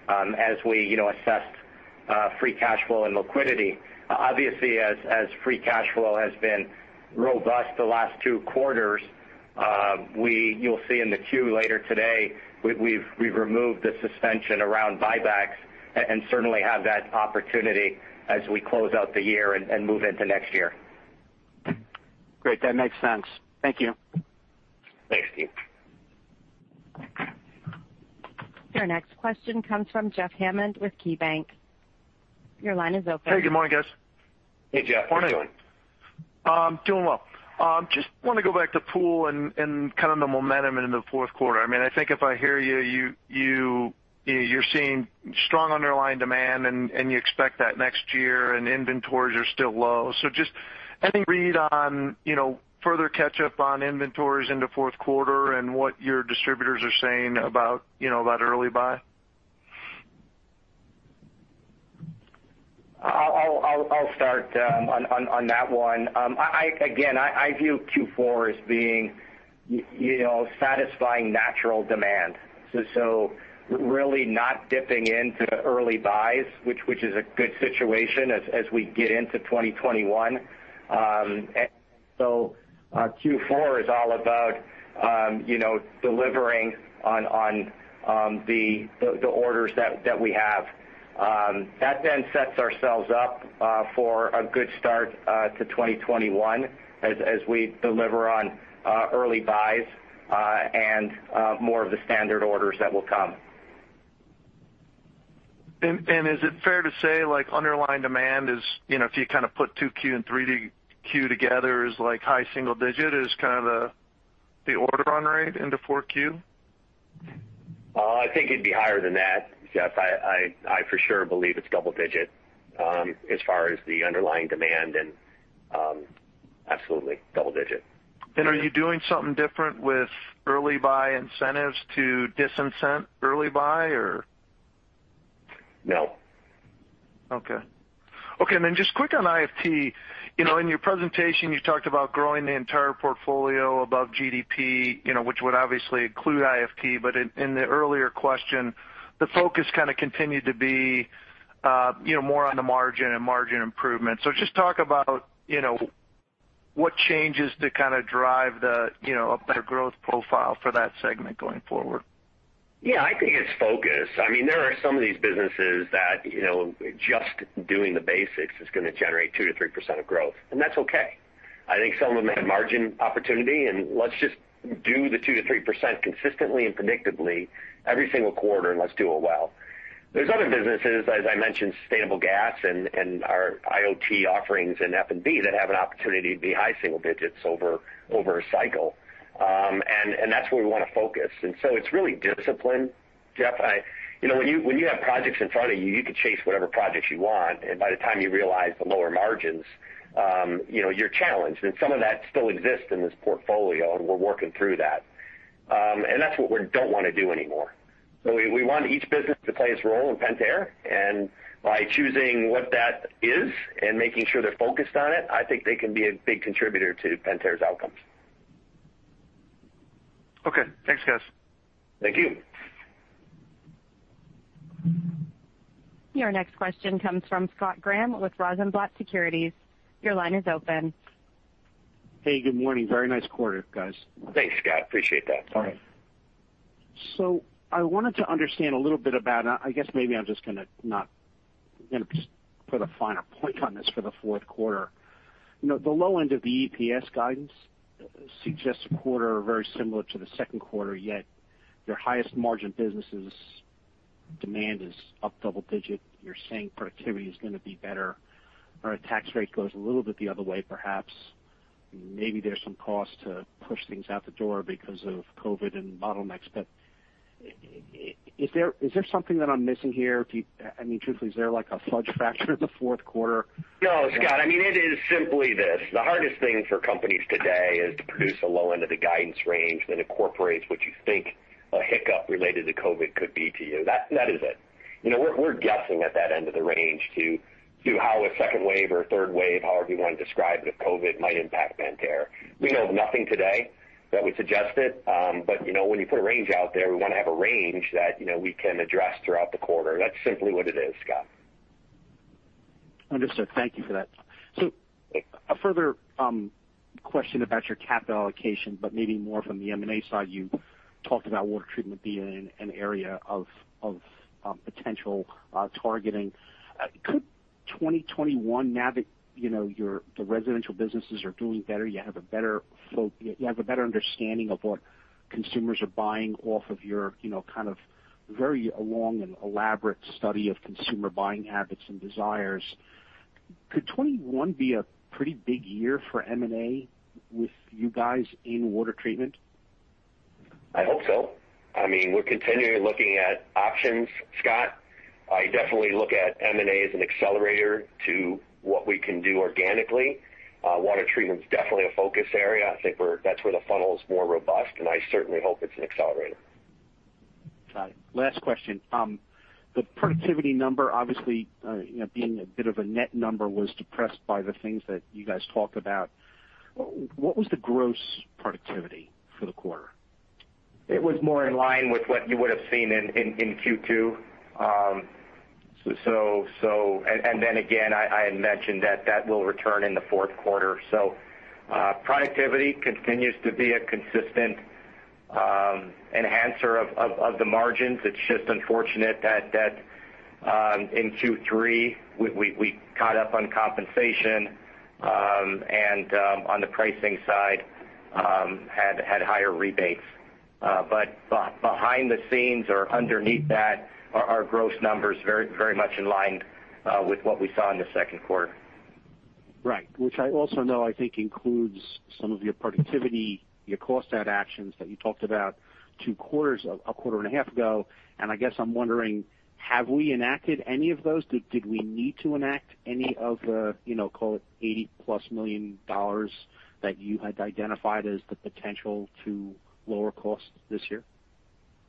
as we assessed free cash flow and liquidity. Obviously, as free cash flow has been robust the last two quarters, you'll see in the Q later today, we've removed the suspension around buybacks and certainly have that opportunity as we close out the year and move into next year. Great. That makes sense. Thank you. Thanks, Deane. Your next question comes from Jeff Hammond with KeyBanc. Your line is open. Hey, good morning, guys. Hey, Jeff. How you doing? Morning. I'm doing well. Just want to go back to Pool and kind of the momentum in the fourth quarter. I think if I hear you're seeing strong underlying demand and you expect that next year and inventories are still low. Just any read on further catch up on inventories into fourth quarter and what your distributors are saying about early buy? I'll start on that one. Again, I view Q4 as being satisfying natural demand. Really not dipping into early buys, which is a good situation as we get into 2021. Q4 is all about delivering on the orders that we have. That then sets ourselves up for a good start to 2021 as we deliver on early buys and more of the standard orders that will come. Is it fair to say underlying demand is, if you put 2Q and 3Q together, is high single digit is kind of the order on rate into 4Q? I think it'd be higher than that, Jeff. I for sure believe it's double-digit as far as the underlying demand, and absolutely double-digit. Are you doing something different with early buy incentives to dis-incent early buy or? No. Okay. Just quick on IFT. In your presentation you talked about growing the entire portfolio above GDP, which would obviously include IFT, but in the earlier question, the focus kind of continued to be more on the margin and margin improvement. Just talk about what changes to kind of drive a better growth profile for that segment going forward. Yeah, I think it's focus. There are some of these businesses that just doing the basics is going to generate 2%-3% of growth, and that's okay. I think some of them have margin opportunity, and let's just do the 2% -3% consistently and predictably every single quarter, and let's do it well. There's other businesses, as I mentioned, sustainable gas and our IoT offerings in F&B that have an opportunity to be high single digits over a cycle. That's where we want to focus. It's really discipline, Jeff. When you have projects in front of you can chase whatever projects you want, and by the time you realize the lower margins, you're challenged. Some of that still exists in this portfolio, and we're working through that. That's what we don't want to do anymore. We want each business to play its role in Pentair, and by choosing what that is and making sure they're focused on it, I think they can be a big contributor to Pentair's outcomes. Okay, thanks, guys. Thank you. Your next question comes from Scott Graham with Rosenblatt Securities. Your line is open. Hey, good morning. Very nice quarter, guys. Thanks, Scott. Appreciate that. I wanted to understand a little bit about I guess maybe I'm just going to put a finer point on this for the fourth quarter. The low end of the EPS guidance suggests a quarter very similar to the second quarter, yet your highest margin businesses demand is up double digit. You're saying productivity is going to be better. Our tax rate goes a little bit the other way perhaps. Maybe there's some cost to push things out the door because of COVID and bottlenecks. Is there something that I'm missing here? Truthfully, is there like a fudge factor in the fourth quarter? No, Scott. It is simply this. The hardest thing for companies today is to produce a low end of the guidance range that incorporates what you think a hiccup related to COVID could be to you. That is it. We're guessing at that end of the range to how a second wave or third wave, however you want to describe it, of COVID might impact Pentair. We know nothing today that would suggest it. When you put a range out there, we want to have a range that we can address throughout the quarter. That's simply what it is, Scott. Understood. Thank you for that. A further question about your capital allocation, but maybe more from the M&A side. You talked about Water Treatment being an area of potential targeting. Could 2021, now that the residential businesses are doing better, you have a better understanding of what consumers are buying off of your kind of very long and elaborate study of consumer buying habits and desires, be a pretty big year for M&A with you guys in Water Treatment? I hope so. We're continually looking at options, Scott. I definitely look at M&A as an accelerator to what we can do organically. Water Treatment's definitely a focus area. I think that's where the funnel is more robust, and I certainly hope it's an accelerator. Got it. Last question. The productivity number, obviously, being a bit of a net number, was depressed by the things that you guys talked about. What was the gross productivity for the quarter? It was more in line with what you would've seen in Q2. Again, I had mentioned that that will return in the fourth quarter. Productivity continues to be a consistent enhancer of the margins. It's just unfortunate that in Q3, we caught up on compensation, and on the pricing side had higher rebates. Behind the scenes or underneath that are our gross numbers very much in line with what we saw in the second quarter. Right. Which I also know, I think, includes some of your productivity, your cost out actions that you talked about two quarters, a quarter and a half ago. I guess I'm wondering, have we enacted any of those? Did we need to enact any of the, call it $80+ million that you had identified as the potential to lower costs this year?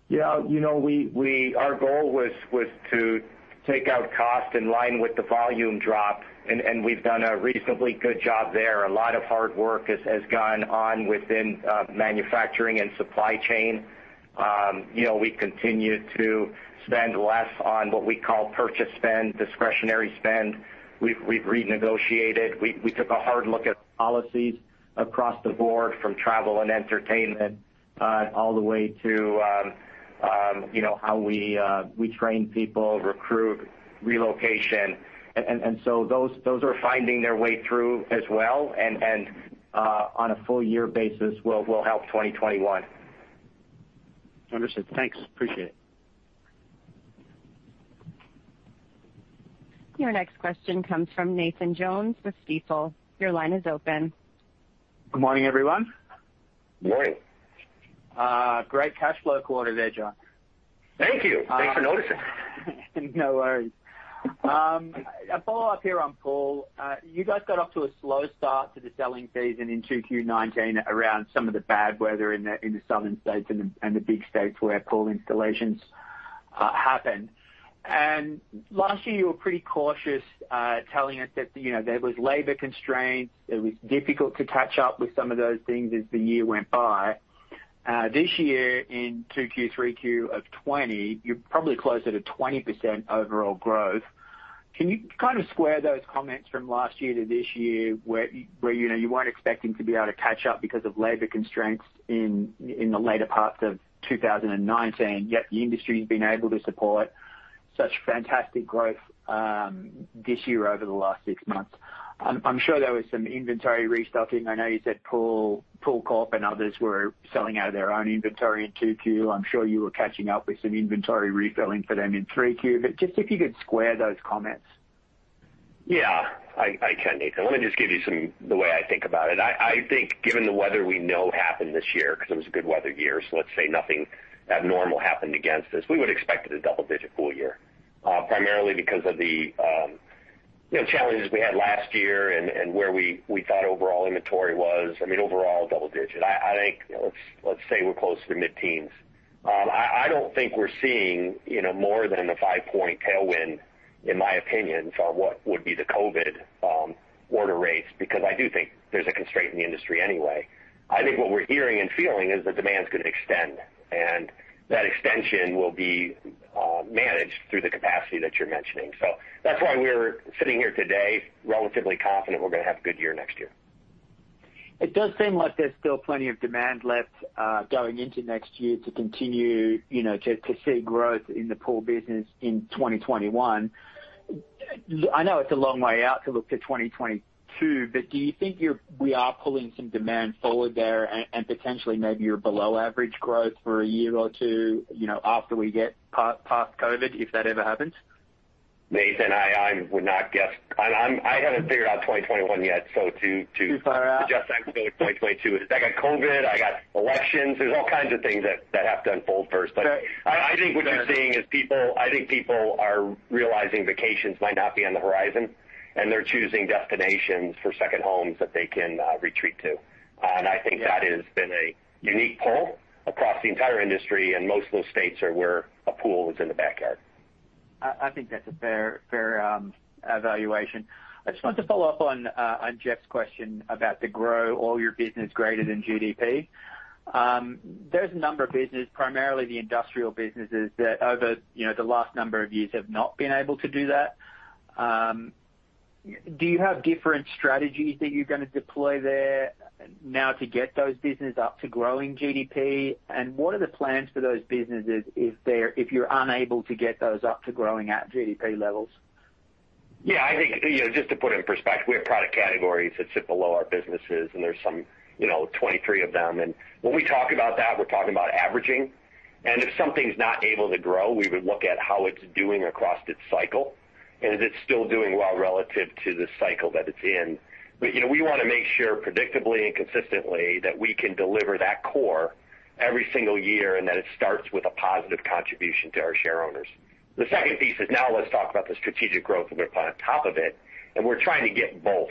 Yeah. Our goal was to take out cost in line with the volume drop, and we've done a reasonably good job there. A lot of hard work has gone on within manufacturing and supply chain. We continue to spend less on what we call purchase spend, discretionary spend. We've renegotiated. We took a hard look at policies across the board from travel and entertainment all the way to how we train people, recruit, relocation. Those are finding their way through as well, and on a full year basis will help 2021. Understood. Thanks. Appreciate it. Your next question comes from Nathan Jones with Stifel. Your line is open. Good morning, everyone. Morning. Great cash flow quarter there, John. Thank you. Thanks for noticing. No worries. A follow-up here on pool. You guys got off to a slow start to the selling season in 2Q 2019 around some of the bad weather in the southern states and the big states where pool installations happen. Last year, you were pretty cautious, telling us that there was labor constraints, it was difficult to catch up with some of those things as the year went by. This year in 2Q, 3Q of 2020, you're probably closer to 20% overall growth. Can you square those comments from last year to this year, where you weren't expecting to be able to catch up because of labor constraints in the later parts of 2019, yet the industry's been able to support such fantastic growth this year over the last six months? I'm sure there was some inventory restocking. I know you said Pool Corporation and others were selling out of their own inventory in 2Q. I'm sure you were catching up with some inventory refilling for them in 3Q. Just if you could square those comments. Yeah. I can, Nathan. Let me just give you the way I think about it. I think given the weather we know happened this year, because it was a good weather year, so let's say nothing abnormal happened against us, we would've expected a double-digit pool year. Primarily because of the challenges we had last year and where we thought overall inventory was. Overall, double digit. I think, let's say we're close to the mid-teens. I don't think we're seeing more than a five-point tailwind, in my opinion, from what would be the COVID order rates, because I do think there's a constraint in the industry anyway. I think what we're hearing and feeling is the demand's going to extend, and that extension will be managed through the capacity that you're mentioning. That's why we're sitting here today relatively confident we're going to have a good year next year. It does seem like there's still plenty of demand left going into next year to continue to see growth in the pool business in 2021. Do you think we are pulling some demand forward there, and potentially maybe you're below average growth for a year or two after we get past COVID, if that ever happens? Nathan, I would not guess. I haven't figured out 2021 yet. Too far out. Suggest I can go to 2022 is, I got COVID, I got elections. There's all kinds of things that have to unfold first. I think what you're seeing is people are realizing vacations might not be on the horizon, and they're choosing destinations for second homes that they can retreat to. I think that has been a unique pull across the entire industry, and most of those states are where a pool is in the backyard. I think that's a fair evaluation. I just wanted to follow up on Jeff's question about the grow all your business greater than GDP. There's a number of businesses, primarily the industrial businesses, that over the last number of years have not been able to do that. Do you have different strategies that you're going to deploy there now to get those businesses up to growing GDP? What are the plans for those businesses if you're unable to get those up to growing at GDP levels? Yeah, I think, just to put it in perspective, we have product categories that sit below our businesses. There's some 23 of them. When we talk about that, we're talking about averaging. If something's not able to grow, we would look at how it's doing across its cycle, and is it still doing well relative to the cycle that it's in. We want to make sure predictably and consistently that we can deliver that core every single year, and that it starts with a positive contribution to our share owners. The second piece is now let's talk about the strategic growth we're going to put on top of it, and we're trying to get both.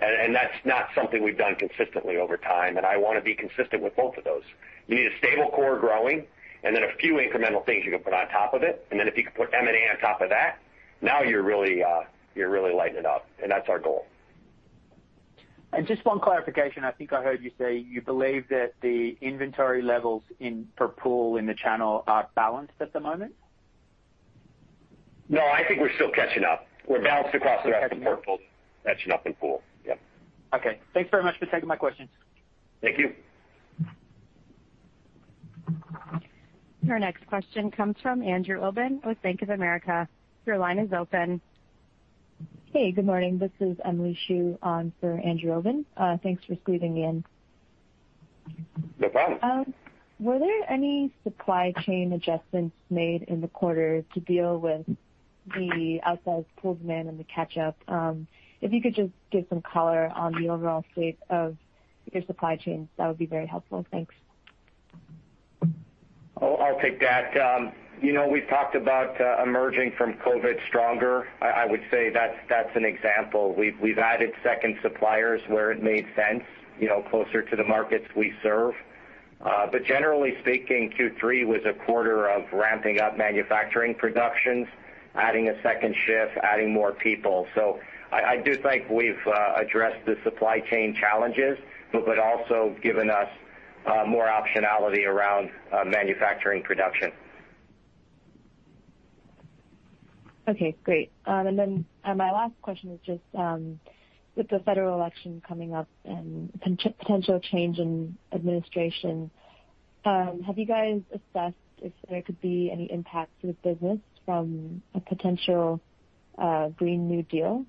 That's not something we've done consistently over time, and I want to be consistent with both of those. You need a stable core growing, and then a few incremental things you can put on top of it. If you can put M&A on top of that, now you're really lighting it up. That's our goal. Just one clarification. I think I heard you say you believe that the inventory levels for pool in the channel are balanced at the moment? No, I think we're still catching up. We're balanced across the rest of the portfolio. Catching up. Catching up in pool. Yep. Okay. Thanks very much for taking my questions. Thank you. Your next question comes from Andrew Obin with Bank of America. Your line is open. Hey, good morning. This is Emily Xu on for Andrew Obin. Thanks for squeezing me in. No problem. Were there any supply chain adjustments made in the quarter to deal with the outsize pool demand and the catch-up? If you could just give some color on the overall state of your supply chain, that would be very helpful. Thanks. I'll take that. We've talked about emerging from COVID stronger. I would say that's an example. We've added second suppliers where it made sense, closer to the markets we serve. Generally speaking, Q3 was a quarter of ramping up manufacturing productions, adding a second shift, adding more people. I do think we've addressed the supply chain challenges, but also given us more optionality around manufacturing production. Okay, great. My last question is just, with the federal election coming up and potential change in administration, have you guys assessed if there could be any impact to the business from a potential Green New Deal?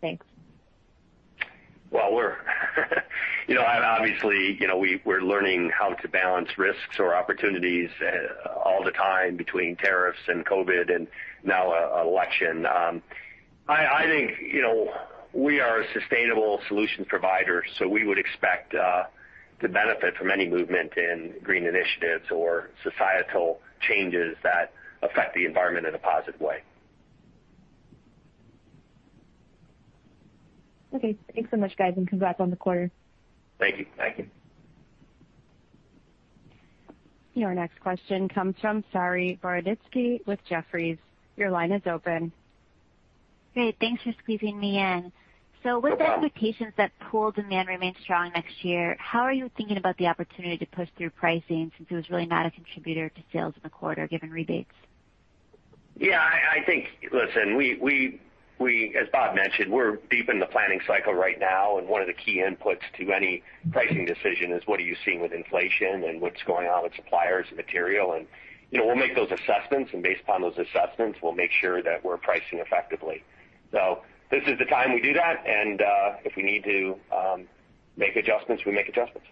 Thanks. Obviously, we're learning how to balance risks or opportunities all the time between tariffs and COVID, and now an election. I think we are a sustainable solution provider, so we would expect to benefit from any movement in green initiatives or societal changes that affect the environment in a positive way. Okay. Thanks so much, guys, and congrats on the quarter. Thank you. Your next question comes from Saree Boroditsky with Jefferies. Your line is open. Great. Thanks for squeezing me in. With the expectations that pool demand remains strong next year, how are you thinking about the opportunity to push through pricing, since it was really not a contributor to sales in the quarter, given rebates? Yeah. Listen, as Bob mentioned, we're deep in the planning cycle right now, and one of the key inputs to any pricing decision is what are you seeing with inflation and what's going on with suppliers and material. We'll make those assessments, and based upon those assessments, we'll make sure that we're pricing effectively. This is the time we do that, and if we need to make adjustments, we make adjustments.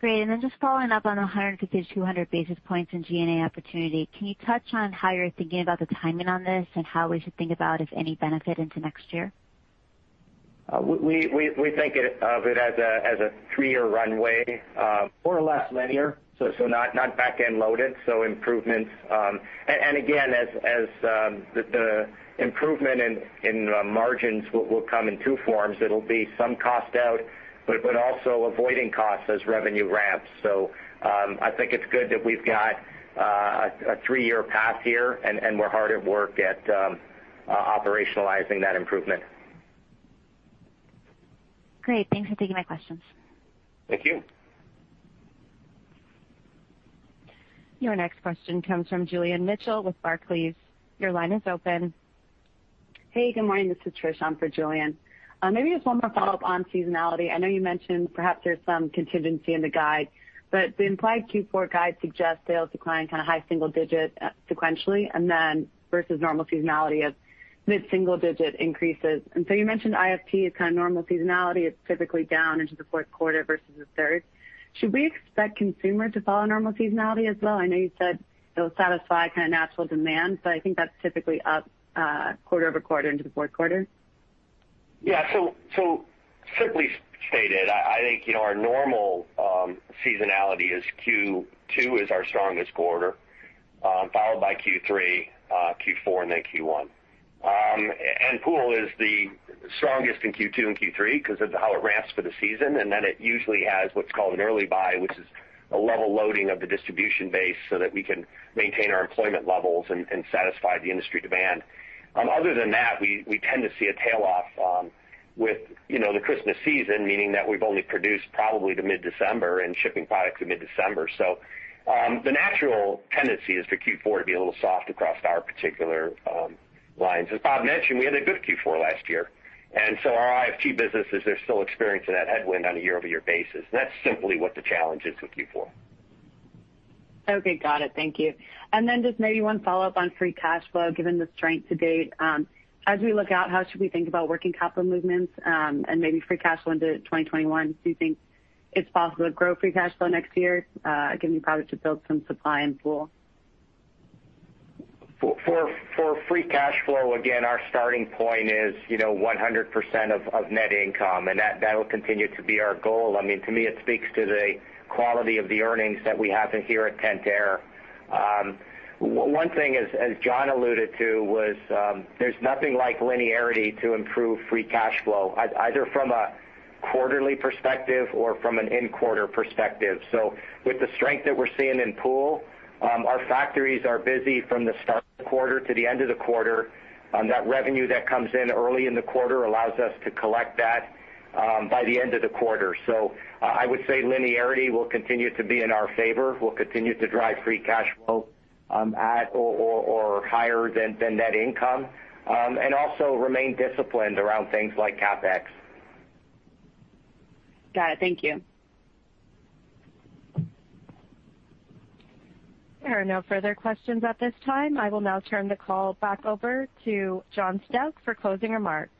Great. Just following up on 150-200 basis points in G&A opportunity, can you touch on how you're thinking about the timing on this and how we should think about, if any, benefit into next year? We think of it as a three-year runway. More or less linear, so not back-end loaded. Again, as the improvement in margins will come in two forms. It'll be some cost out, but also avoiding costs as revenue ramps. I think it's good that we've got a three-year path here, and we're hard at work at operationalizing that improvement. Great. Thanks for taking my questions. Thank you. Your next question comes from Julian Mitchell with Barclays. Your line is open. Hey, good morning. This is Trish on for Julian. Just one more follow-up on seasonality. I know you mentioned perhaps there's some contingency in the guide, the implied Q4 guide suggests sales decline kind of high single-digit sequentially, and then versus normal seasonality of mid-single-digit increases. You mentioned IFT is kind of normal seasonality. It's typically down into the fourth quarter versus the third. Should we expect Consumer to follow normal seasonality as well? I know you said it'll satisfy kind of natural demand, I think that's typically up quarter-over-quarter into the fourth quarter. Simply stated, I think our normal seasonality is Q2 is our strongest quarter followed by Q3, Q4, and then Q1. Pool is the strongest in Q2 and Q3 because it's how it ramps for the season, and then it usually has what's called an early buy, which is a level loading of the distribution base so that we can maintain our employment levels and satisfy the industry demand. Other than that, we tend to see a tail off with the Christmas season, meaning that we've only produced probably to mid-December and shipping products to mid-December. The natural tendency is for Q4 to be a little soft across our particular lines. As Bob mentioned, we had a good Q4 last year, and so our IFT businesses are still experiencing that headwind on a year-over-year basis, and that's simply what the challenge is with Q4. Okay, got it. Thank you. Just maybe one follow-up on free cash flow, given the strength to date. As we look out, how should we think about working capital movements and maybe free cash flow into 2021? Do you think it's possible to grow free cash flow next year, given you probably should build some supply in Pool? For free cash flow, again, our starting point is 100% of net income, and that'll continue to be our goal. To me, it speaks to the quality of the earnings that we have here at Pentair. One thing, as John alluded to, was there's nothing like linearity to improve free cash flow, either from a quarterly perspective or from an in-quarter perspective. With the strength that we're seeing in pool, our factories are busy from the start of the quarter to the end of the quarter. That revenue that comes in early in the quarter allows us to collect that by the end of the quarter. I would say linearity will continue to be in our favor, will continue to drive free cash flow at or higher than net income, and also remain disciplined around things like CapEx. Got it. Thank you. There are no further questions at this time. I will now turn the call back over to John Stauch for closing remarks.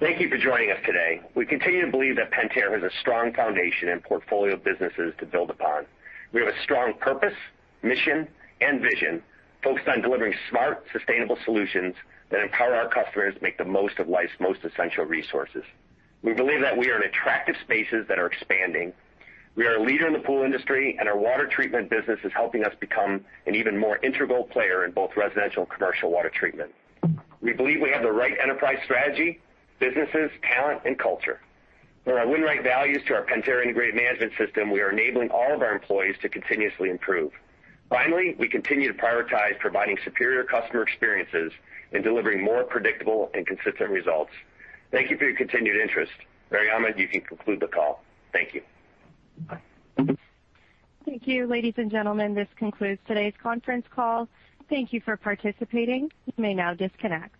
Thank you for joining us today. We continue to believe that Pentair has a strong foundation and portfolio of businesses to build upon. We have a strong purpose, mission, and vision focused on delivering smart, sustainable solutions that empower our customers to make the most of life's most essential resources. We believe that we are in attractive spaces that are expanding. We are a leader in the pool industry, and our water treatment business is helping us become an even more integral player in both residential and commercial water treatment. We believe we have the right enterprise strategy, businesses, talent, and culture. Through our Win Right values to our Pentair Integrated Management System, we are enabling all of our employees to continuously improve. Finally, we continue to prioritize providing superior customer experiences and delivering more predictable and consistent results. Thank you for your continued interest. Mariama, you can conclude the call. Thank you. Thank you, ladies and gentlemen. This concludes today's conference call. Thank you for participating. You may now disconnect.